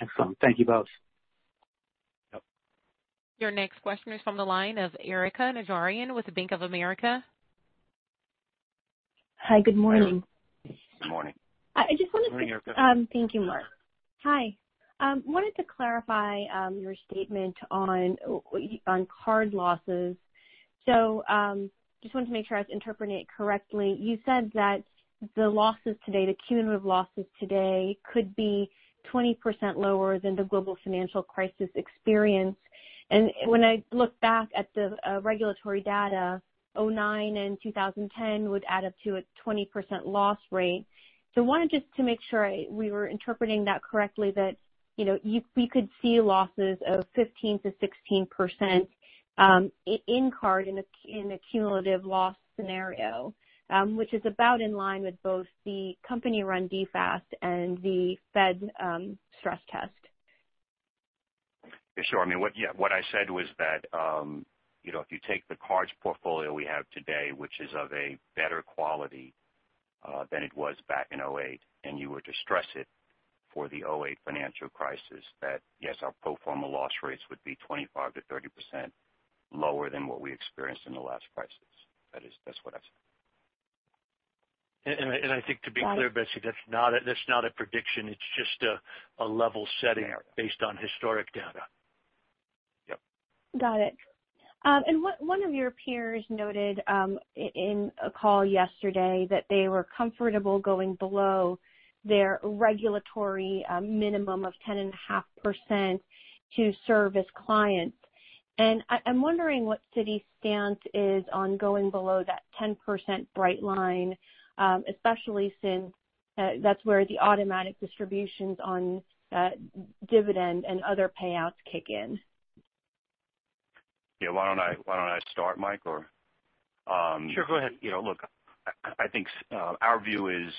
Excellent. Thank you both. Yep. Your next question is from the line of Erika Najarian with Bank of America. Hi. Good morning. Good morning. I just wanted to- Morning, Erika. Thank you, Mark. Hi. I wanted to clarify your statement on card losses. Just wanted to make sure I was interpreting it correctly. You said that the losses today, the cumulative losses today could be 20% lower than the global financial crisis experience. When I look back at the regulatory data, 2009 and 2010 would add up to a 20% loss rate. I wanted just to make sure we were interpreting that correctly, that we could see losses of 15%-16% in card in a cumulative loss scenario. Which is about in line with both the company-run DFAST and the Fed stress test. Sure. What I said was that if you take the cards portfolio we have today, which is of a better quality than it was back in 2008, and you were to stress it for the 2008 financial crisis, that yes, our pro forma loss rates would be 25%-30% lower than what we experienced in the last crisis. That's what I said. I think to be clear, that's not a prediction. It's just a level setting based on historic data. Yep. Got it. One of your peers noted in a call yesterday that they were comfortable going below their regulatory minimum of 10.5% to service clients. I'm wondering what Citi's stance is on going below that 10% bright line, especially since that's where the automatic distributions on dividend and other payouts kick in. Yeah. Why don't I start, Mike. Sure. Go ahead. Look, I think our view is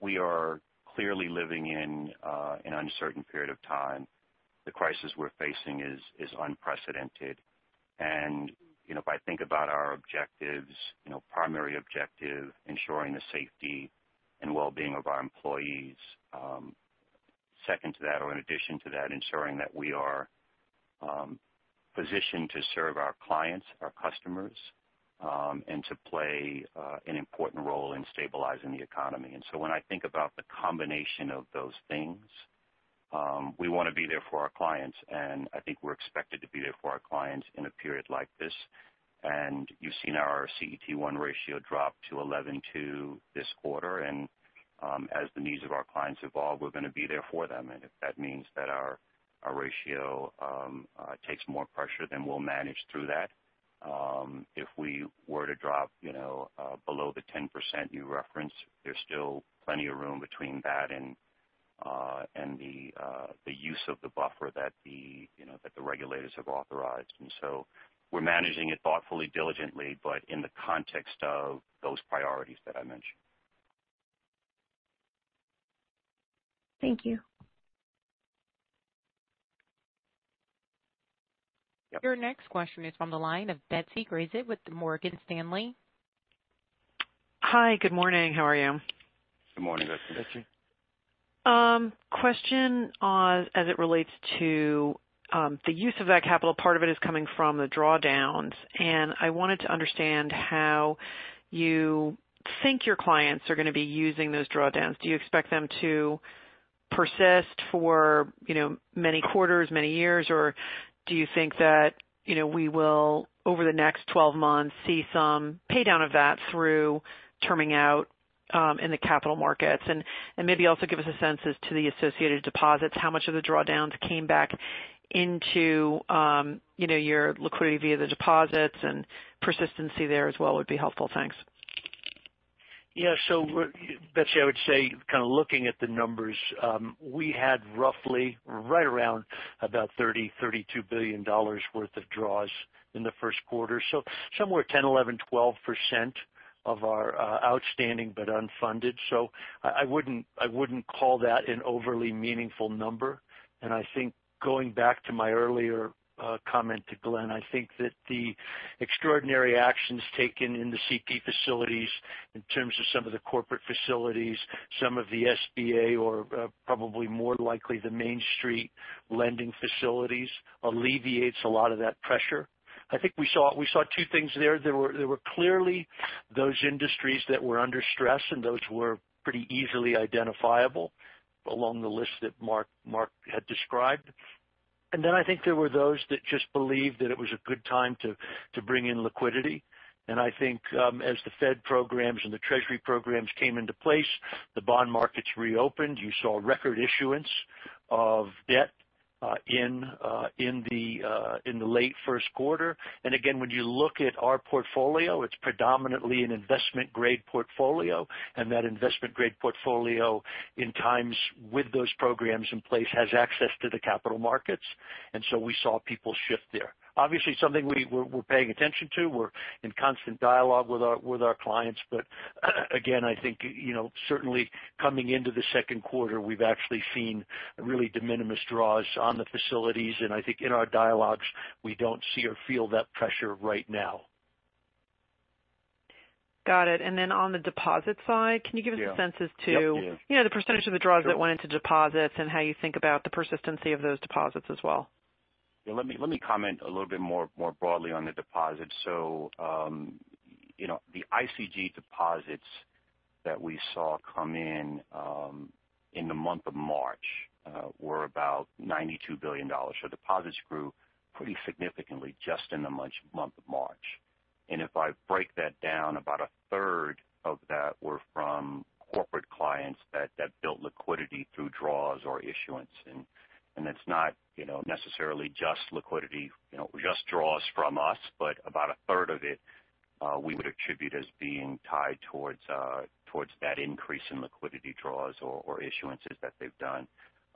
we are clearly living in an uncertain period of time. The crisis we're facing is unprecedented. If I think about our objectives, primary objective, ensuring the safety and wellbeing of our employees. Second to that, or in addition to that, ensuring that we are positioned to serve our clients, our customers, and to play an important role in stabilizing the economy. When I think about the combination of those things, we want to be there for our clients, and I think we're expected to be there for our clients in a period like this. You've seen our CET1 ratio drop to 11.2 this quarter. As the needs of our clients evolve, we're going to be there for them. If that means that our ratio takes more pressure, then we'll manage through that. If we were to drop below the 10% you referenced, there's still plenty of room between that and the use of the buffer that the regulators have authorized. We're managing it thoughtfully, diligently, but in the context of those priorities that I mentioned. Thank you. Yep. Your next question is from the line of Betsy Graseck with Morgan Stanley. Hi. Good morning. How are you? Good morning, Betsy. Good morning, Betsy. Question as it relates to the use of that capital. Part of it is coming from the drawdowns. I wanted to understand how you think your clients are going to be using those drawdowns. Do you expect them to persist for many quarters, many years? Do you think that we will, over the next 12 months, see some pay down of that through terming out in the capital markets? Maybe also give us a sense as to the associated deposits. How much of the drawdowns came back into your liquidity via the deposits, and persistency there as well would be helpful. Thanks. Betsy, I would say kind of looking at the numbers, we had roughly right around about $30 billion, $32 billion worth of draws in the first quarter. Somewhere 10%, 11%, 12% of our outstanding but unfunded. I think going back to my earlier comment to Glenn, I think that the extraordinary actions taken in the CP facilities in terms of some of the corporate facilities, some of the SBA or probably more likely the Main Street Lending Program alleviates a lot of that pressure. I think we saw two things there. There were clearly those industries that were under stress, those were pretty easily identifiable along the list that Mark had described. I think there were those that just believed that it was a good time to bring in liquidity. I think as the Fed programs and the Treasury programs came into place, the bond markets reopened. You saw record issuance of debt in the late first quarter. Again, when you look at our portfolio, it's predominantly an investment-grade portfolio. That investment-grade portfolio, in times with those programs in place, has access to the capital markets. We saw people shift there. Obviously, something we're paying attention to. We're in constant dialogue with our clients. Again, I think certainly coming into the second quarter, we've actually seen really de minimis draws on the facilities, and I think in our dialogues, we don't see or feel that pressure right now. Got it. On the deposit side, can you give us a sense as to the percent of the draws that went into deposits and how you think about the persistency of those deposits as well? Let me comment a little bit more broadly on the deposits. The ICG deposits that we saw come in in the month of March were about $92 billion. Deposits grew pretty significantly just in the month of March. If I break that down, about a third of that were from corporate clients that built liquidity through draws or issuance. It's not necessarily just liquidity, just draws from us, but about a third of it we would attribute as being tied towards that increase in liquidity draws or issuances that they've done.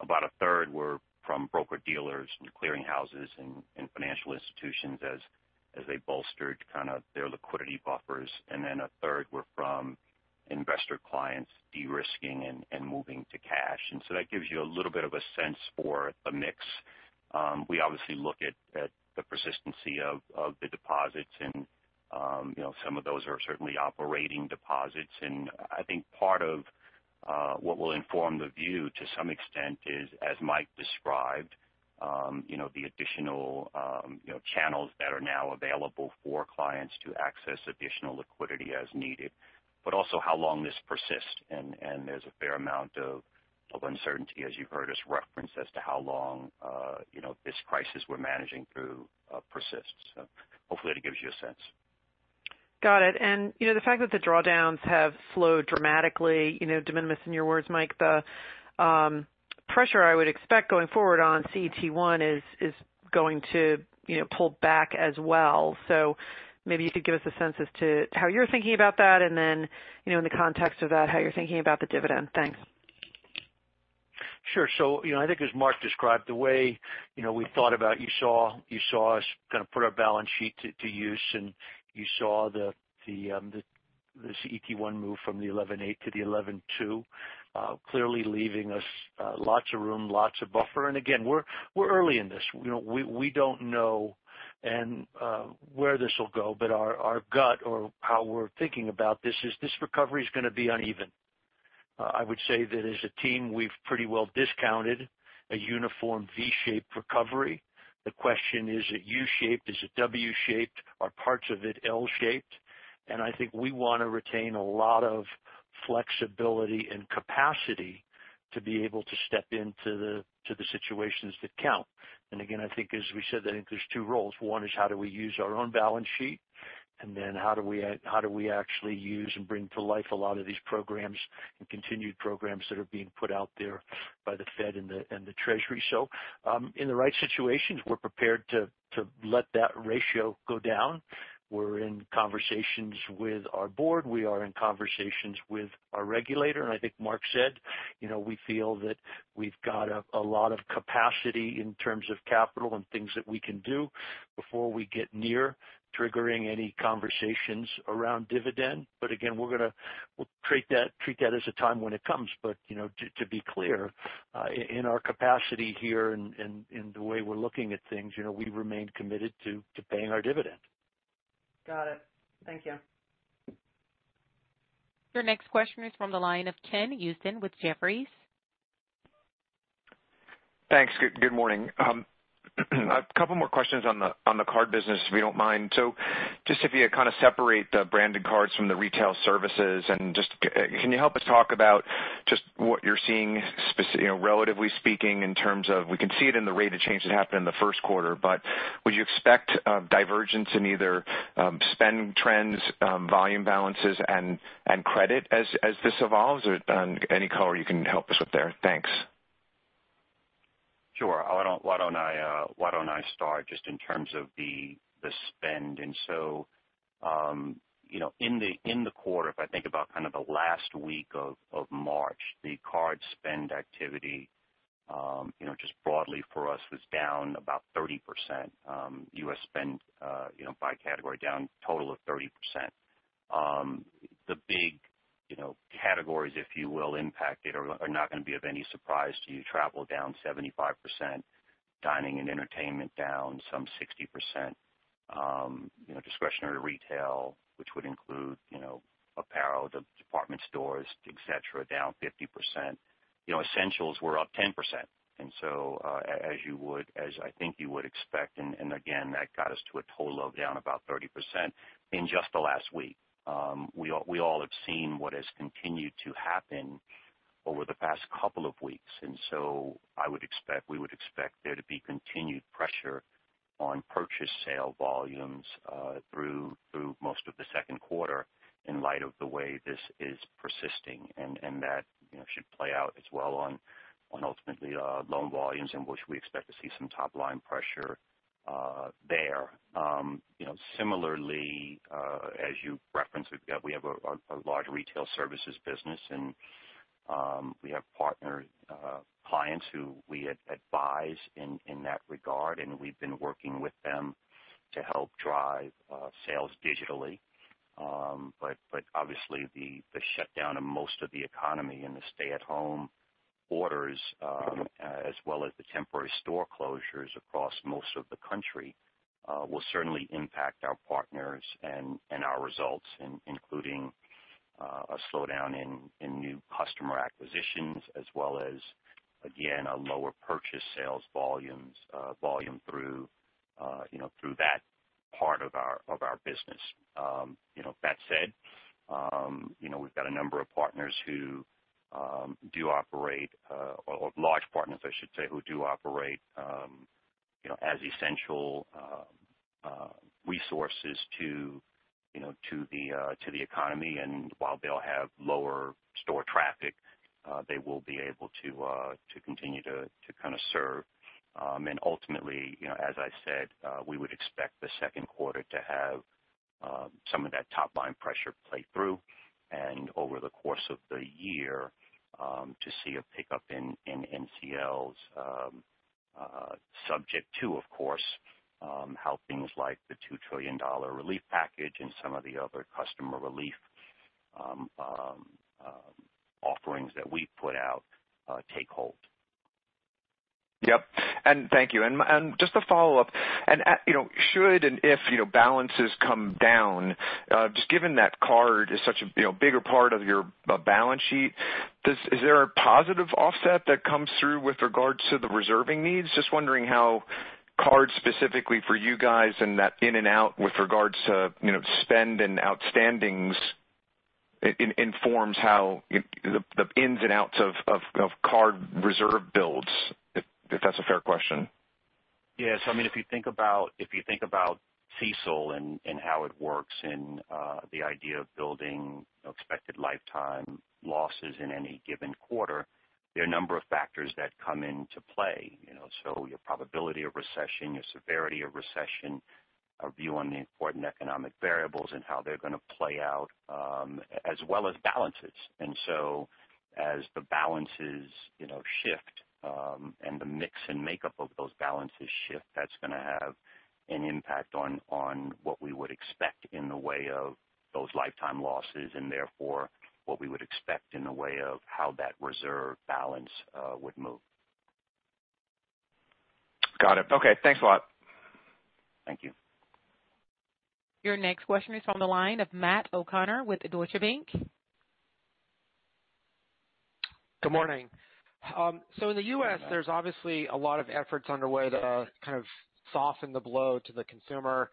About a third were from broker-dealers and clearing houses and financial institutions as they bolstered kind of their liquidity buffers. A third were from investor clients de-risking and moving to cash. That gives you a little bit of a sense for the mix. We obviously look at the persistency of the deposits and some of those are certainly operating deposits. I think part of what will inform the view to some extent is, as Mike described, the additional channels that are now available for clients to access additional liquidity as needed, but also how long this persists. There's a fair amount of uncertainty, as you've heard us reference, as to how long this crisis we're managing through persists. Hopefully that gives you a sense. Got it. The fact that the drawdowns have slowed dramatically, de minimis in your words, Mike, the pressure I would expect going forward on CET1 is going to pull back as well. Maybe you could give us a sense as to how you're thinking about that and then, in the context of that, how you're thinking about the dividend. Thanks. Sure. I think as Mark described, the way we thought about. You saw us kind of put our balance sheet to use. You saw the CET1 move from the 11.8 to the 11.2. Clearly leaving us lots of room, lots of buffer. Again, we're early in this. We don't know where this will go, but our gut or how we're thinking about this is this recovery's going to be uneven. I would say that as a team, we've pretty well discounted a uniform V-shaped recovery. The question, is it U-shaped? Is it W-shaped? Are parts of it L-shaped? I think we want to retain a lot of flexibility and capacity to be able to step into the situations that count. Again, I think as we said, I think there's two roles. One is how do we use our own balance sheet? How do we actually use and bring to life a lot of these programs and continued programs that are being put out there by the Fed and the Treasury? In the right situations, we're prepared to let that ratio go down. We're in conversations with our board. We are in conversations with our regulator. I think Mark said, we feel that we've got a lot of capacity in terms of capital and things that we can do before we get near triggering any conversations around dividend. Again, we'll treat that as a time when it comes. To be clear, in our capacity here and the way we're looking at things, we remain committed to paying our dividend. Got it. Thank you. Your next question is from the line of Ken Usdin with Jefferies. Thanks. Good morning. A couple more questions on the card business, if you don't mind. Just if you kind of separate the branded cards from the Retail Services and just can you help us talk about just what you're seeing, relatively speaking, in terms of, we can see it in the rate of change that happened in the first quarter, but would you expect divergence in either spend trends, volume balances, and credit as this evolves? Any color you can help us with there. Thanks. Sure. Why don't I start just in terms of the spend. In the quarter, if I think about kind of the last week of March, the card spend activity just broadly for us was down about 30%. U.S. spend by category down total of 30%. The big categories, if you will, impacted are not going to be of any surprise to you. Travel down 75%, dining and entertainment down some 60%. Discretionary retail, which would include apparel, department stores, et cetera, down 50%. Essentials were up 10%. As I think you would expect, and again, that got us to a total of down about 30% in just the last week. We all have seen what has continued to happen over the past couple of weeks, we would expect there to be continued pressure on purchase sale volumes through most of the second quarter in light of the way this is persisting. That should play out as well on ultimately loan volumes in which we expect to see some top-line pressure there. Similarly, as you referenced, we have a large Retail Services business, and we have partner clients who we advise in that regard, and we've been working with them to help drive sales digitally. Obviously the shutdown of most of the economy and the stay-at-home orders, as well as the temporary store closures across most of the country will certainly impact our partners and our results, including a slowdown in new customer acquisitions as well as, again, a lower purchase sales volume through that part of our business. That said, we've got a number of partners, or large partners, I should say, who do operate as essential resources to the economy. While they'll have lower store traffic, they will be able to continue to kind of serve. Ultimately, as I said, we would expect the second quarter to have some of that top-line pressure play through and over the course of the year to see a pickup in NCLs. Subject to, of course, how things like the $2 trillion relief package and some of the other customer relief offerings that we put out take hold. Yep. Thank you. Just to follow up, if balances come down, just given that card is such a bigger part of your balance sheet, is there a positive offset that comes through with regards to the reserving needs? Just wondering how cards specifically for you guys and that in and out with regards to spend and outstandings informs how the ins and outs of card reserve builds, if that's a fair question. Yes. If you think about CECL and how it works and the idea of building expected lifetime losses in any given quarter, there are a number of factors that come into play. Your probability of recession, your severity of recession, our view on the important economic variables and how they're going to play out, as well as balances. As the balances shift and the mix and makeup of those balances shift, that's going to have an impact on what we would expect in the way of those lifetime losses, and therefore what we would expect in the way of how that reserve balance would move. Got it. Okay. Thanks a lot. Thank you. Your next question is from the line of Matt O'Connor with Deutsche Bank. Good morning. In the U.S., there's obviously a lot of efforts underway to kind of soften the blow to the consumer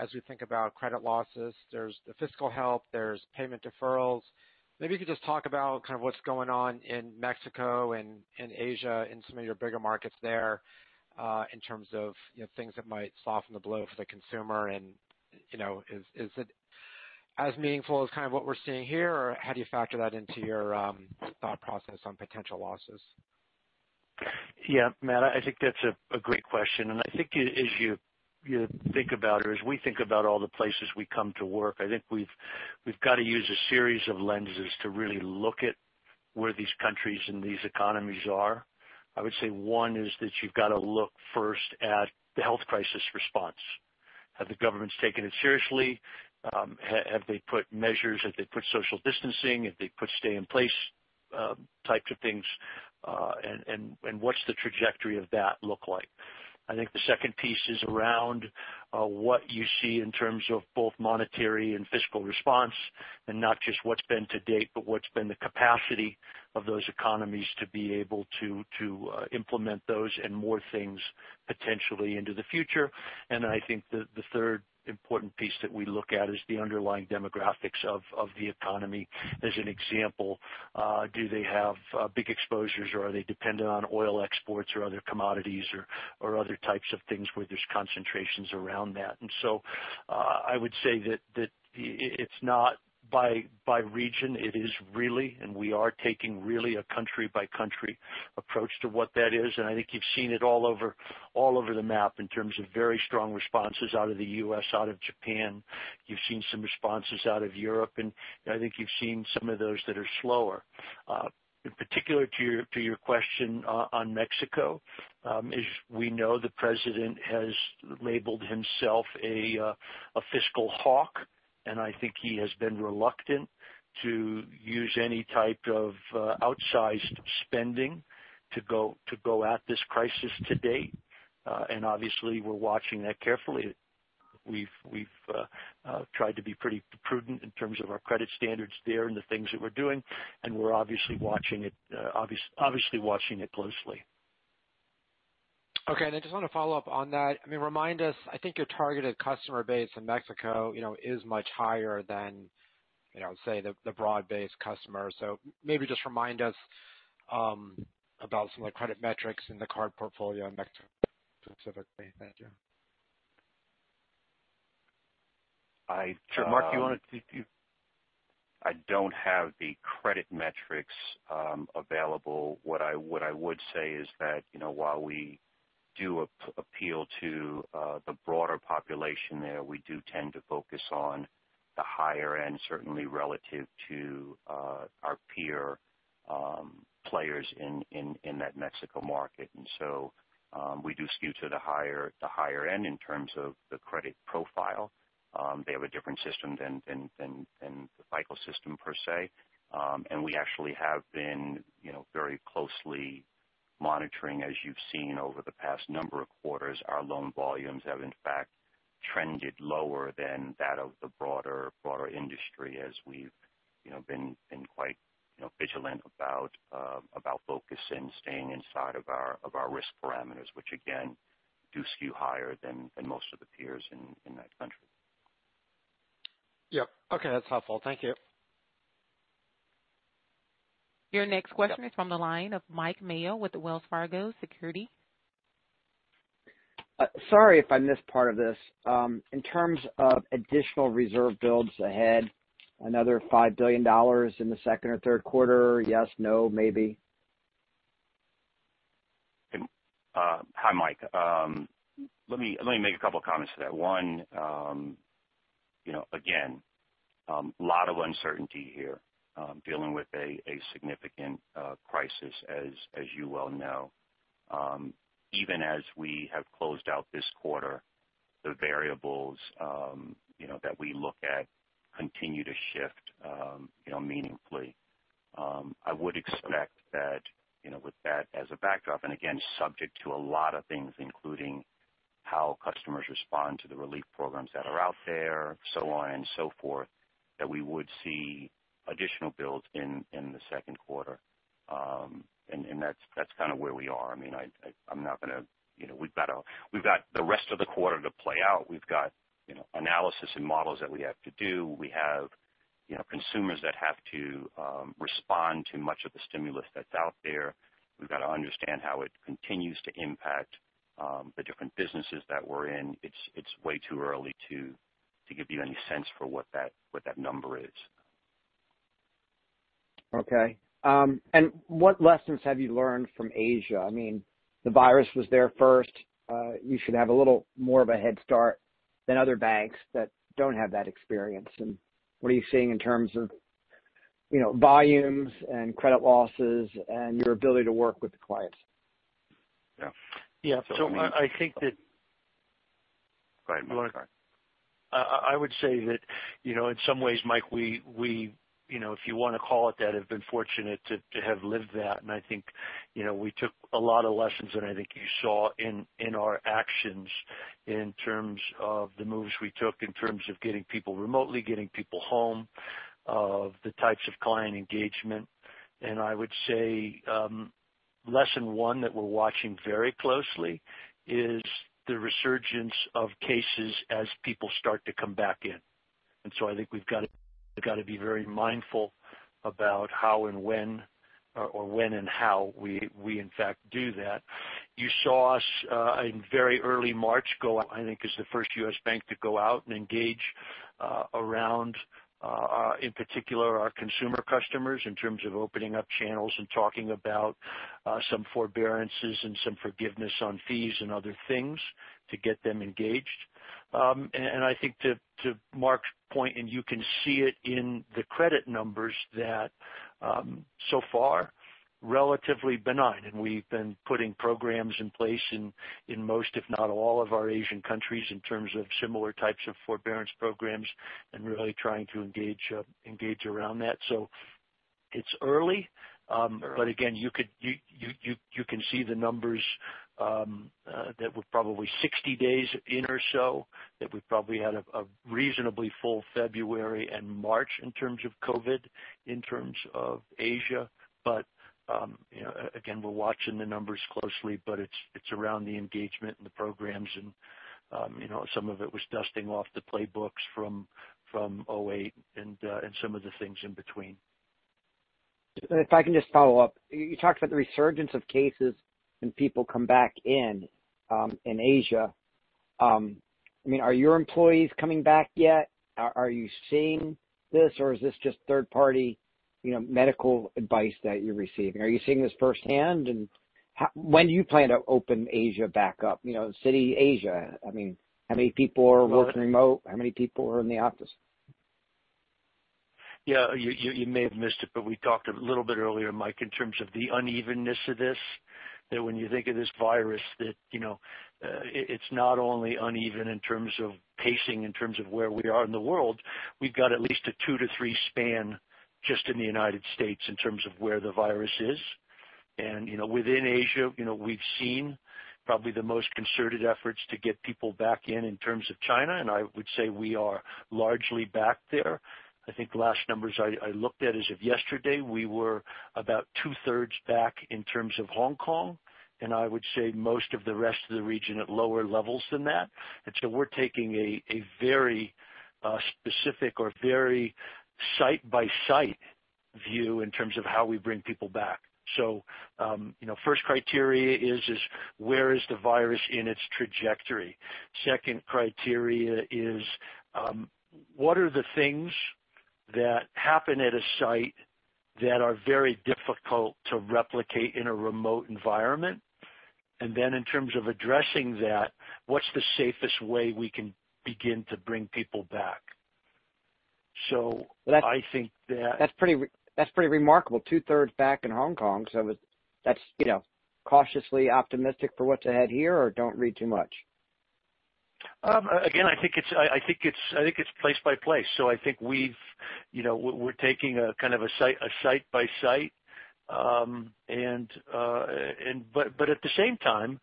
as we think about credit losses. There's the fiscal help, there's payment deferrals. Maybe you could just talk about kind of what's going on in Mexico and in Asia in some of your bigger markets there, in terms of things that might soften the blow for the consumer, and is it as meaningful as kind of what we're seeing here, or how do you factor that into your thought process on potential losses? Yeah. Matt, I think that's a great question. I think as you think about it or as we think about all the places we come to work, I think we've got to use a series of lenses to really look at where these countries and these economies are. I would say one is that you've got to look first at the health crisis response. Have the governments taken it seriously? Have they put measures? Have they put social distancing? Have they put stay in place types of things? What's the trajectory of that look like? I think the second piece is around what you see in terms of both monetary and fiscal response, and not just what's been to date, but what's been the capacity of those economies to be able to implement those and more things potentially into the future. Then I think the third important piece that we look at is the underlying demographics of the economy. As an example, do they have big exposures or are they dependent on oil exports or other commodities or other types of things where there's concentrations around that? I would say that it's not by region. It is really, and we are taking really a country-by-country approach to what that is, and I think you've seen it all over the map in terms of very strong responses out of the U.S., out of Japan. You've seen some responses out of Europe, and I think you've seen some of those that are slower. In particular to your question on Mexico, as we know, the president has labeled himself a fiscal hawk, and I think he has been reluctant to use any type of outsized spending to go at this crisis to date. Obviously we're watching that carefully. We've tried to be pretty prudent in terms of our credit standards there and the things that we're doing, and we're obviously watching it closely. Okay. I just want to follow up on that. Remind us, I think your targeted customer base in Mexico is much higher than say, the broad-based customer. Maybe just remind us about some of the credit metrics in the card portfolio in Mexico specifically. Thank you. Sure. Mark, you want to take it? I don't have the credit metrics available. What I would say is that while we do appeal to the broader population there, we do tend to focus on the higher end certainly relative to our peer players in that Mexico market. We do skew to the higher end in terms of the credit profile. They have a different system than the Citi system per se. We actually have been very closely monitoring as you've seen over the past number of quarters, our loan volumes have in fact trended lower than that of the broader industry as we've been quite vigilant about focusing, staying inside of our risk parameters, which again, do skew higher than most of the peers in that country. Yep. Okay. That's helpful. Thank you. Your next question is from the line of Mike Mayo with Wells Fargo Securities. Sorry if I missed part of this. In terms of additional reserve builds ahead, another $5 billion in the second or third quarter? Yes, no, maybe? Hi, Mike. Let me make a couple comments to that. One, again, a lot of uncertainty here dealing with a significant crisis as you well know. Even as we have closed out this quarter. The variables that we look at continue to shift meaningfully. I would expect that with that as a backdrop, and again, subject to a lot of things, including how customers respond to the relief programs that are out there, so on and so forth, that we would see additional builds in the second quarter. That's kind of where we are. We've got the rest of the quarter to play out. We've got analysis and models that we have to do. We have consumers that have to respond to much of the stimulus that's out there. We've got to understand how it continues to impact the different businesses that we're in. It's way too early to give you any sense for what that number is. Okay. What lessons have you learned from Asia? The virus was there first. You should have a little more of a head start than other banks that don't have that experience. What are you seeing in terms of volumes and credit losses and your ability to work with the clients? Yeah. Yeah. I think. Go ahead. I would say that, in some ways, Mike, if you want to call it that, have been fortunate to have lived that. I think we took a lot of lessons, and I think you saw in our actions in terms of the moves we took, in terms of getting people remotely, getting people home, of the types of client engagement. I would say lesson one that we're watching very closely is the resurgence of cases as people start to come back in. I think we've got to be very mindful about when and how we in fact do that. You saw us in very early March go out, I think as the first U.S. bank to go out and engage around, in particular, our consumer customers in terms of opening up channels and talking about some forbearances and some forgiveness on fees and other things to get them engaged. I think to Mark's point, you can see it in the credit numbers that so far, relatively benign. We've been putting programs in place in most, if not all of our Asian countries in terms of similar types of forbearance programs and really trying to engage around that. It's early. Again, you can see the numbers that were probably 60 days in or so that we probably had a reasonably full February and March in terms of COVID-19, in terms of Asia. We're watching the numbers closely, but it's around the engagement and the programs. Some of it was dusting off the playbooks from 2008 and some of the things in between. If I can just follow up. You talked about the resurgence of cases when people come back in Asia. Are your employees coming back yet? Are you seeing this, or is this just third-party medical advice that you're receiving? Are you seeing this firsthand, and when do you plan to open Asia back up? Citi Asia. How many people are working remote? How many people are in the office? You may have missed it, but we talked a little bit earlier, Mike, in terms of the unevenness of this, that when you think of this virus, that it's not only uneven in terms of pacing, in terms of where we are in the world. We've got at least a two to three span just in the U.S. in terms of where the virus is. Within Asia, we've seen probably the most concerted efforts to get people back in terms of China, and I would say we are largely back there. I think the last numbers I looked at as of yesterday, we were about two-thirds back in terms of Hong Kong, and I would say most of the rest of the region at lower levels than that. We're taking a very specific or very site-by-site view in terms of how we bring people back. First criteria is where is the virus in its trajectory? Second criteria is what are the things that happen at a site that are very difficult to replicate in a remote environment? Then in terms of addressing that, what's the safest way we can begin to bring people back? That's pretty remarkable. Two-thirds back in Hong Kong. That's cautiously optimistic for what's ahead here, or don't read too much? Again, I think it's place by place. I think we're taking a kind of a site by site. At the same time,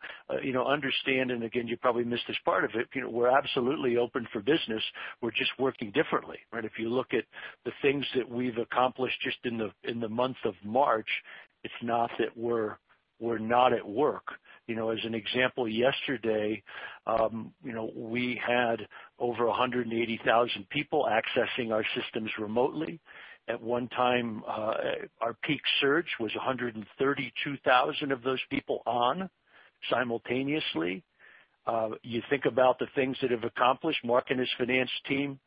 understand and again, you probably missed this part of it. We're absolutely open for business. We're just working differently, right? If you look at the things that we've accomplished just in the month of March, it's not that we're not at work. As an example, yesterday, we had over 180,000 people accessing our systems remotely. At one time, our peak search was 132,000 of those people on simultaneously. You think about the things that have accomplished. Mark and his finance team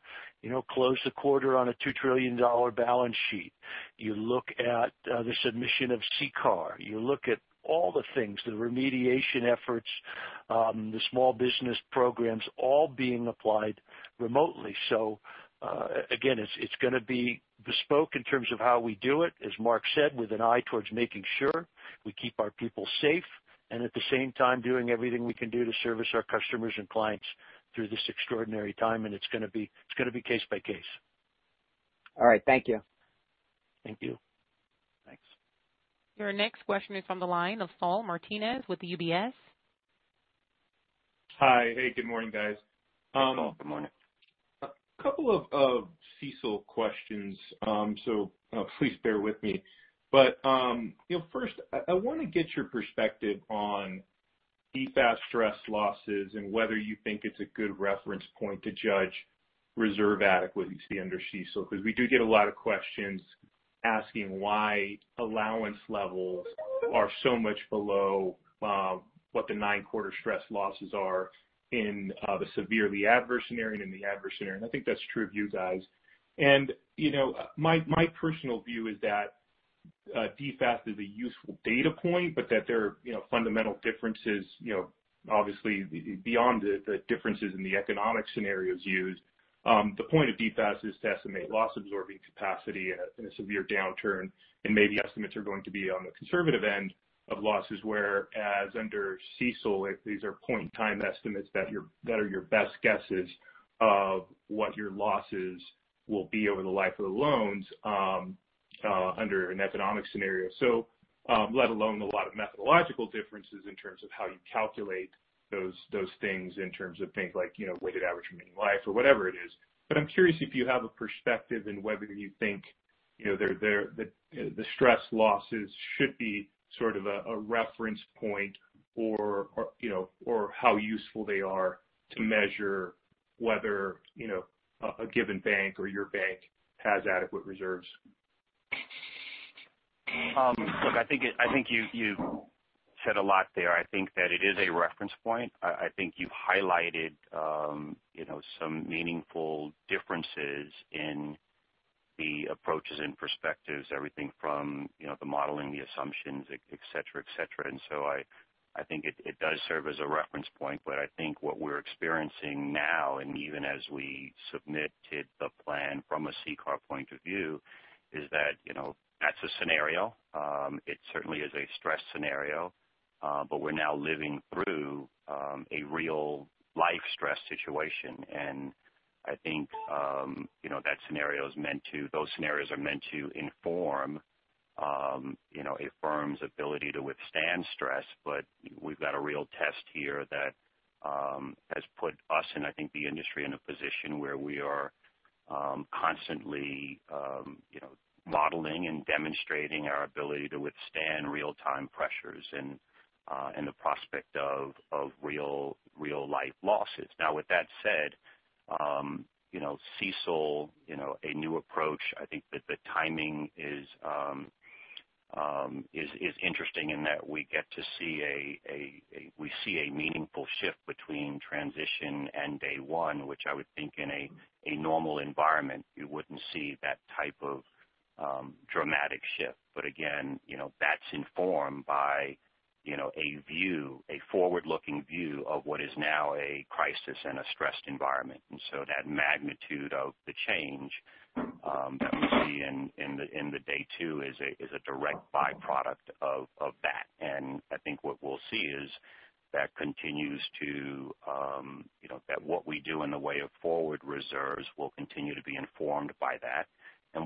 closed the quarter on a $2 trillion balance sheet. You look at the submission of CCAR. You look at all the things, the remediation efforts, the small business programs all being applied remotely. Again, it's going to be bespoke in terms of how we do it, as Mark said, with an eye towards making sure we keep our people safe and at the same time doing everything we can do to service our customers and clients through this extraordinary time. It's going to be case by case. All right. Thank you. Thank you. Thanks. Your next question is from the line of Saul Martinez with UBS. Hi. Hey, good morning, guys. Hi, Saul. Good morning. A couple of CECL questions, so please bear with me. First, I want to get your perspective on DFAST stress losses and whether you think it's a good reference point to judge reserve adequacy under CECL, because we do get a lot of questions asking why allowance levels are so much below what the nine-quarter stress losses are in the severely adverse scenario and in the adverse scenario, and I think that's true of you guys. My personal view is that DFAST is a useful data point, but that there are fundamental differences, obviously beyond the differences in the economic scenarios used. The point of DFAST is to estimate loss absorbing capacity in a severe downturn, and maybe estimates are going to be on the conservative end of losses. Whereas under CECL, these are point in time estimates that are your best guesses of what your losses will be over the life of the loans under an economic scenario. Let alone a lot of methodological differences in terms of how you calculate those things in terms of things like weighted average remaining life or whatever it is. I'm curious if you have a perspective in whether you think the stress losses should be sort of a reference point or how useful they are to measure whether a given bank or your bank has adequate reserves. Look, I think you said a lot there. I think that it is a reference point. I think you've highlighted some meaningful differences in the approaches and perspectives, everything from the modeling, the assumptions, et cetera. I think it does serve as a reference point, but I think what we're experiencing now, and even as we submitted the plan from a CCAR point of view, is that that's a scenario. It certainly is a stress scenario. We're now living through a real-life stress situation. I think those scenarios are meant to inform a firm's ability to withstand stress. We've got a real test here that has put us, and I think the industry, in a position where we are constantly modeling and demonstrating our ability to withstand real-time pressures and the prospect of real-life losses. Now, with that said, CECL, a new approach. I think that the timing is interesting in that we see a meaningful shift between transition and day one, which I would think in a normal environment, you wouldn't see that type of dramatic shift. Again, that's informed by a forward-looking view of what is now a crisis and a stressed environment. That magnitude of the change that we see in the day two is a direct byproduct of that. I think what we'll see is that what we do in the way of forward reserves will continue to be informed by that.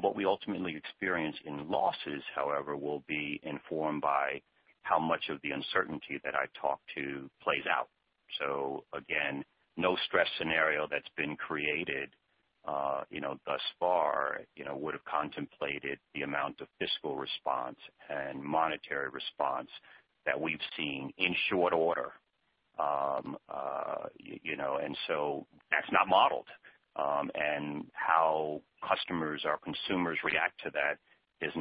What we ultimately experience in losses, however, will be informed by how much of the uncertainty that I talked to plays out. Again, no stress scenario that's been created thus far would've contemplated the amount of fiscal response and monetary response that we've seen in short order. That's not modeled. How customers or consumers react to that is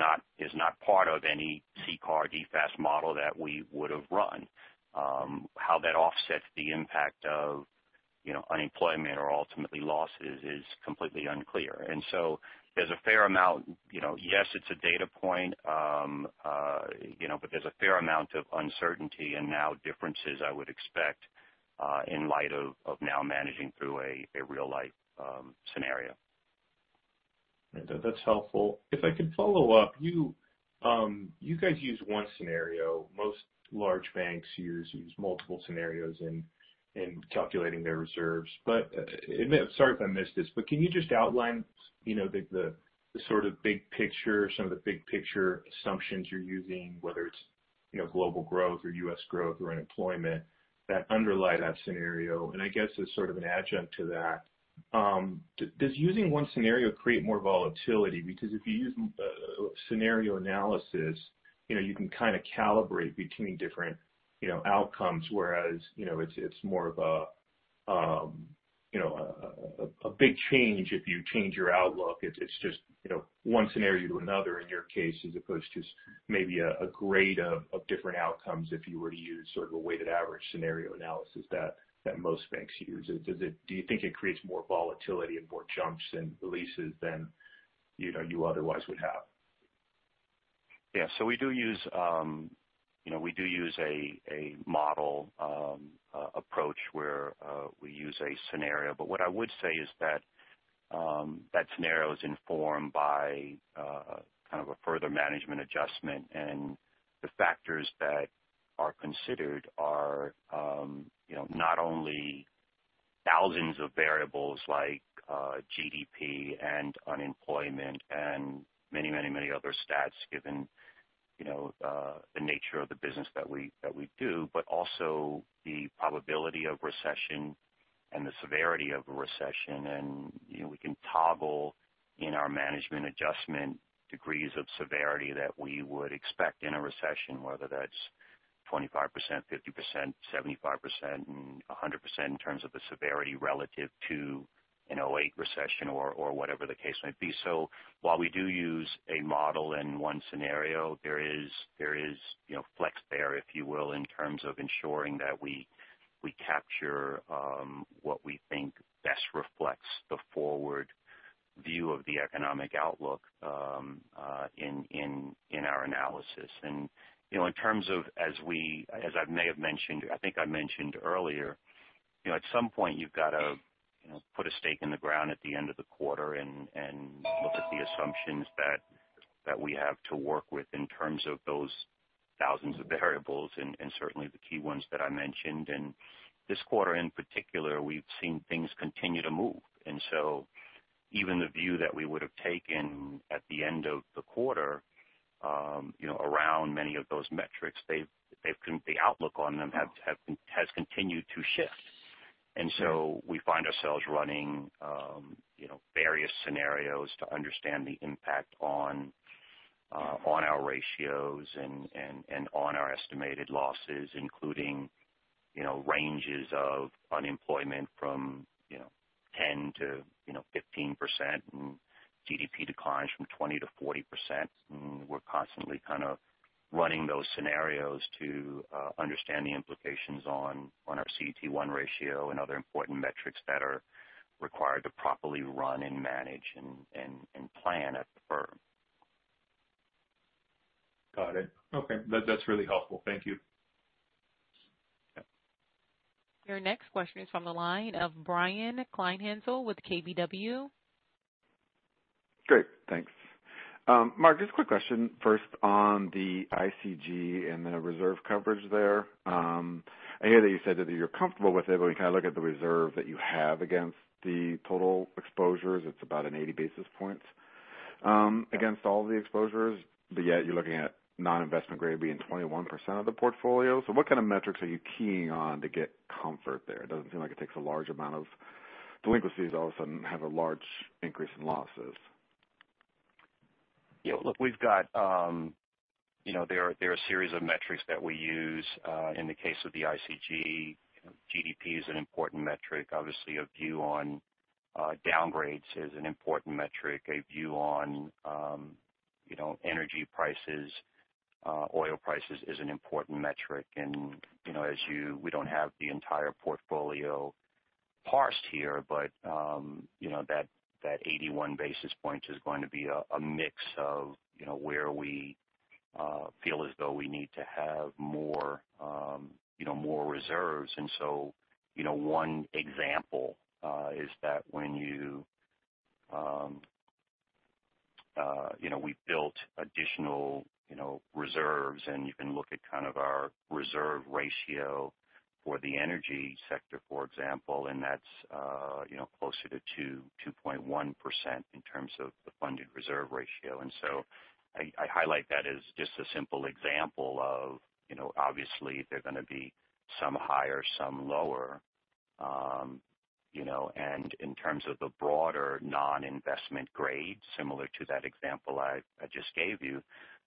not part of any CCAR DFAST model that we would've run. How that offsets the impact of unemployment or ultimately losses is completely unclear. Yes, it's a data point, but there's a fair amount of uncertainty and now differences I would expect, in light of now managing through a real-life scenario. That's helpful. If I could follow up, you guys use one scenario. Most large banks use multiple scenarios in calculating their reserves. Sorry if I missed this, can you just outline some of the big picture assumptions you're using, whether it's global growth or U.S. growth or unemployment that underlie that scenario? I guess as sort of an adjunct to that, does using one scenario create more volatility? Because if you use scenario analysis, you can kind of calibrate between different outcomes, whereas it's more of a big change if you change your outlook. It's just one scenario to another in your case, as opposed to maybe a grade of different outcomes if you were to use sort of a weighted average scenario analysis that most banks use. Do you think it creates more volatility and more jumps and releases than you otherwise would have? We do use a model approach where we use a scenario. What I would say is that that scenario is informed by kind of a further management adjustment, and the factors that are considered are not only thousands of variables like GDP and unemployment and many other stats, given the nature of the business that we do, but also the probability of recession and the severity of a recession. We can toggle in our management adjustment degrees of severity that we would expect in a recession, whether that's 25%, 50%, 75%, and 100% in terms of the severity relative to a 2008 recession or whatever the case may be. While we do use a model in one scenario, there is flex there, if you will, in terms of ensuring that we capture what we think best reflects the forward view of the economic outlook in our analysis. I think I mentioned earlier, at some point, you've got to put a stake in the ground at the end of the quarter and look at the assumptions that we have to work with in terms of those thousands of variables and certainly the key ones that I mentioned. And this quarter in particular, we've seen things continue to move. And even the view that we would've taken at the end of the quarter around many of those metrics, the outlook on them has continued to shift. We find ourselves running various scenarios to understand the impact on our ratios and on our estimated losses, including ranges of unemployment from 10%-15% and GDP declines from 20%-40%. We're constantly kind of running those scenarios to understand the implications on our CET1 ratio and other important metrics that are required to properly run and manage and plan at the firm. Got it. Okay. That's really helpful. Thank you. Yeah. Your next question is from the line of Brian Kleinhanzl with KBW. Great, thanks. Mark, just a quick question first on the ICG and the reserve coverage there. I hear that you said that you're comfortable with it, but when you look at the reserve that you have against the total exposures, it's about an 80 basis points against all the exposures, but yet you're looking at non-investment grade being 21% of the portfolio. What kind of metrics are you keying on to get comfort there? It doesn't seem like it takes a large amount of delinquencies all of a sudden have a large increase in losses. Look, there are a series of metrics that we use in the case of the ICG. GDP is an important metric. Obviously, a view on downgrades is an important metric. A view on energy prices, oil prices is an important metric. We don't have the entire portfolio parsed here, but that 81 basis points is going to be a mix of where we feel as though we need to have more reserves. One example is that we've built additional reserves, and you can look at kind of our reserve ratio for the energy sector, for example, and that's closer to 2.1% in terms of the funded reserve ratio. I highlight that as just a simple example of obviously there are going to be some higher, some lower. In terms of the broader non-investment grade, similar to that example I just gave you,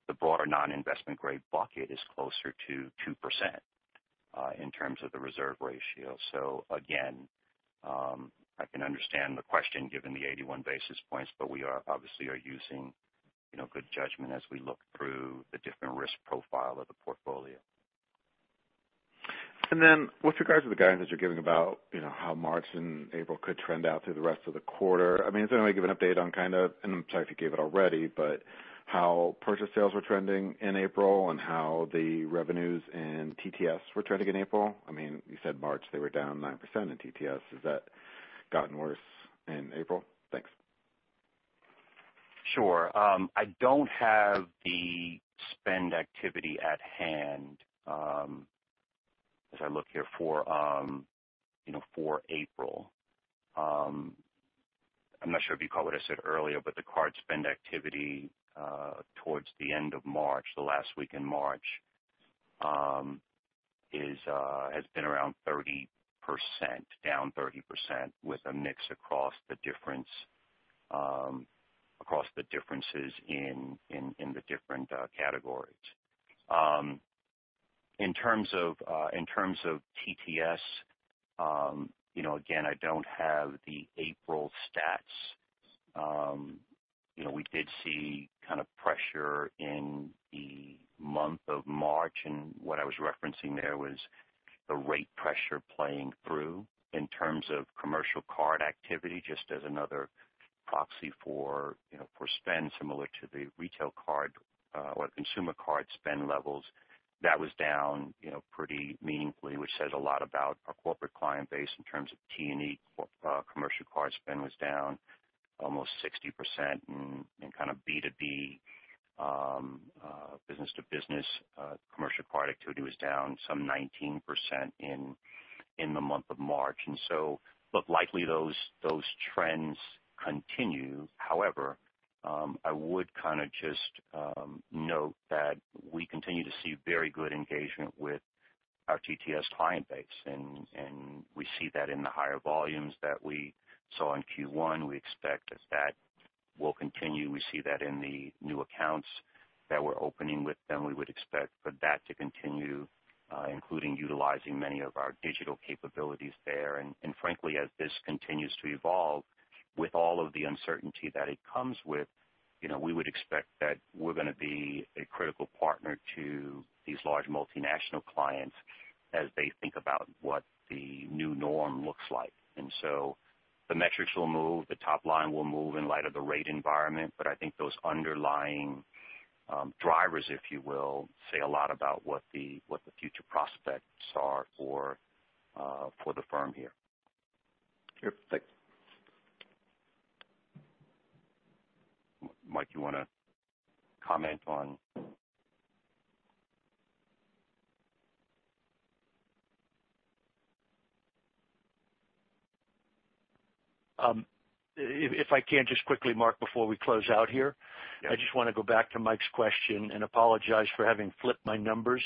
the broader non-investment grade bucket is closer to 2% in terms of the reserve ratio. Again, I can understand the question given the 81 basis points, but we obviously are using good judgment as we look through the different risk profile of the portfolio. With regards to the guidance you're giving about how March and April could trend out through the rest of the quarter, is there any way you can give an update on kind of, and I'm sorry if you gave it already, but how purchase sales were trending in April and how the revenues and TTS were trending in April? You said March they were down 9% in TTS. Has that gotten worse in April? Thanks. Sure. I don't have the spend activity at hand as I look here for April. I'm not sure if you caught what I said earlier, the card spend activity towards the end of March, the last week in March has been around 30%, down 30% with a mix across the differences in the different categories. In terms of TTS, again, I don't have the April stats. We did see kind of pressure in the month of March, and what I was referencing there was the rate pressure playing through in terms of commercial card activity, just as another proxy for spend similar to the retail card or consumer card spend levels. That was down pretty meaningfully, which says a lot about our corporate client base in terms of T&E commercial card spend was down almost 60% in B2B, business-to-business commercial product activity was down some 19% in the month of March. Likely those trends continue. However, I would just note that we continue to see very good engagement with our TTS client base, and we see that in the higher volumes that we saw in Q1. We expect that that will continue. We see that in the new accounts that we're opening with them. We would expect for that to continue, including utilizing many of our digital capabilities there. Frankly, as this continues to evolve, with all of the uncertainty that it comes with, we would expect that we're going to be a critical partner to these large multinational clients as they think about what the new norm looks like. The metrics will move, the top line will move in light of the rate environment. I think those underlying drivers, if you will, say a lot about what the future prospects are for the firm here. Sure. Thanks. Mike, you want to comment on? If I can just quickly, Mark, before we close out here. Yeah. I just want to go back to Mike's question and apologize for having flipped my numbers.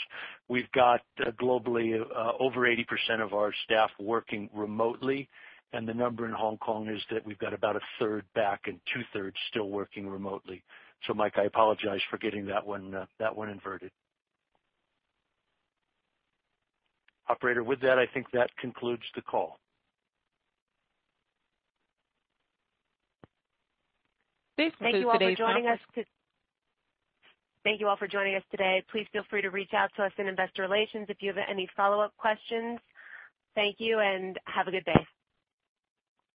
We've got globally over 80% of our staff working remotely, and the number in Hong Kong is that we've got about a third back and two-thirds still working remotely. Mike, I apologize for getting that one inverted. Operator, with that, I think that concludes the call. Thank you all for joining us today. Please feel free to reach out to us in investor relations if you have any follow-up questions. Thank you and have a good day.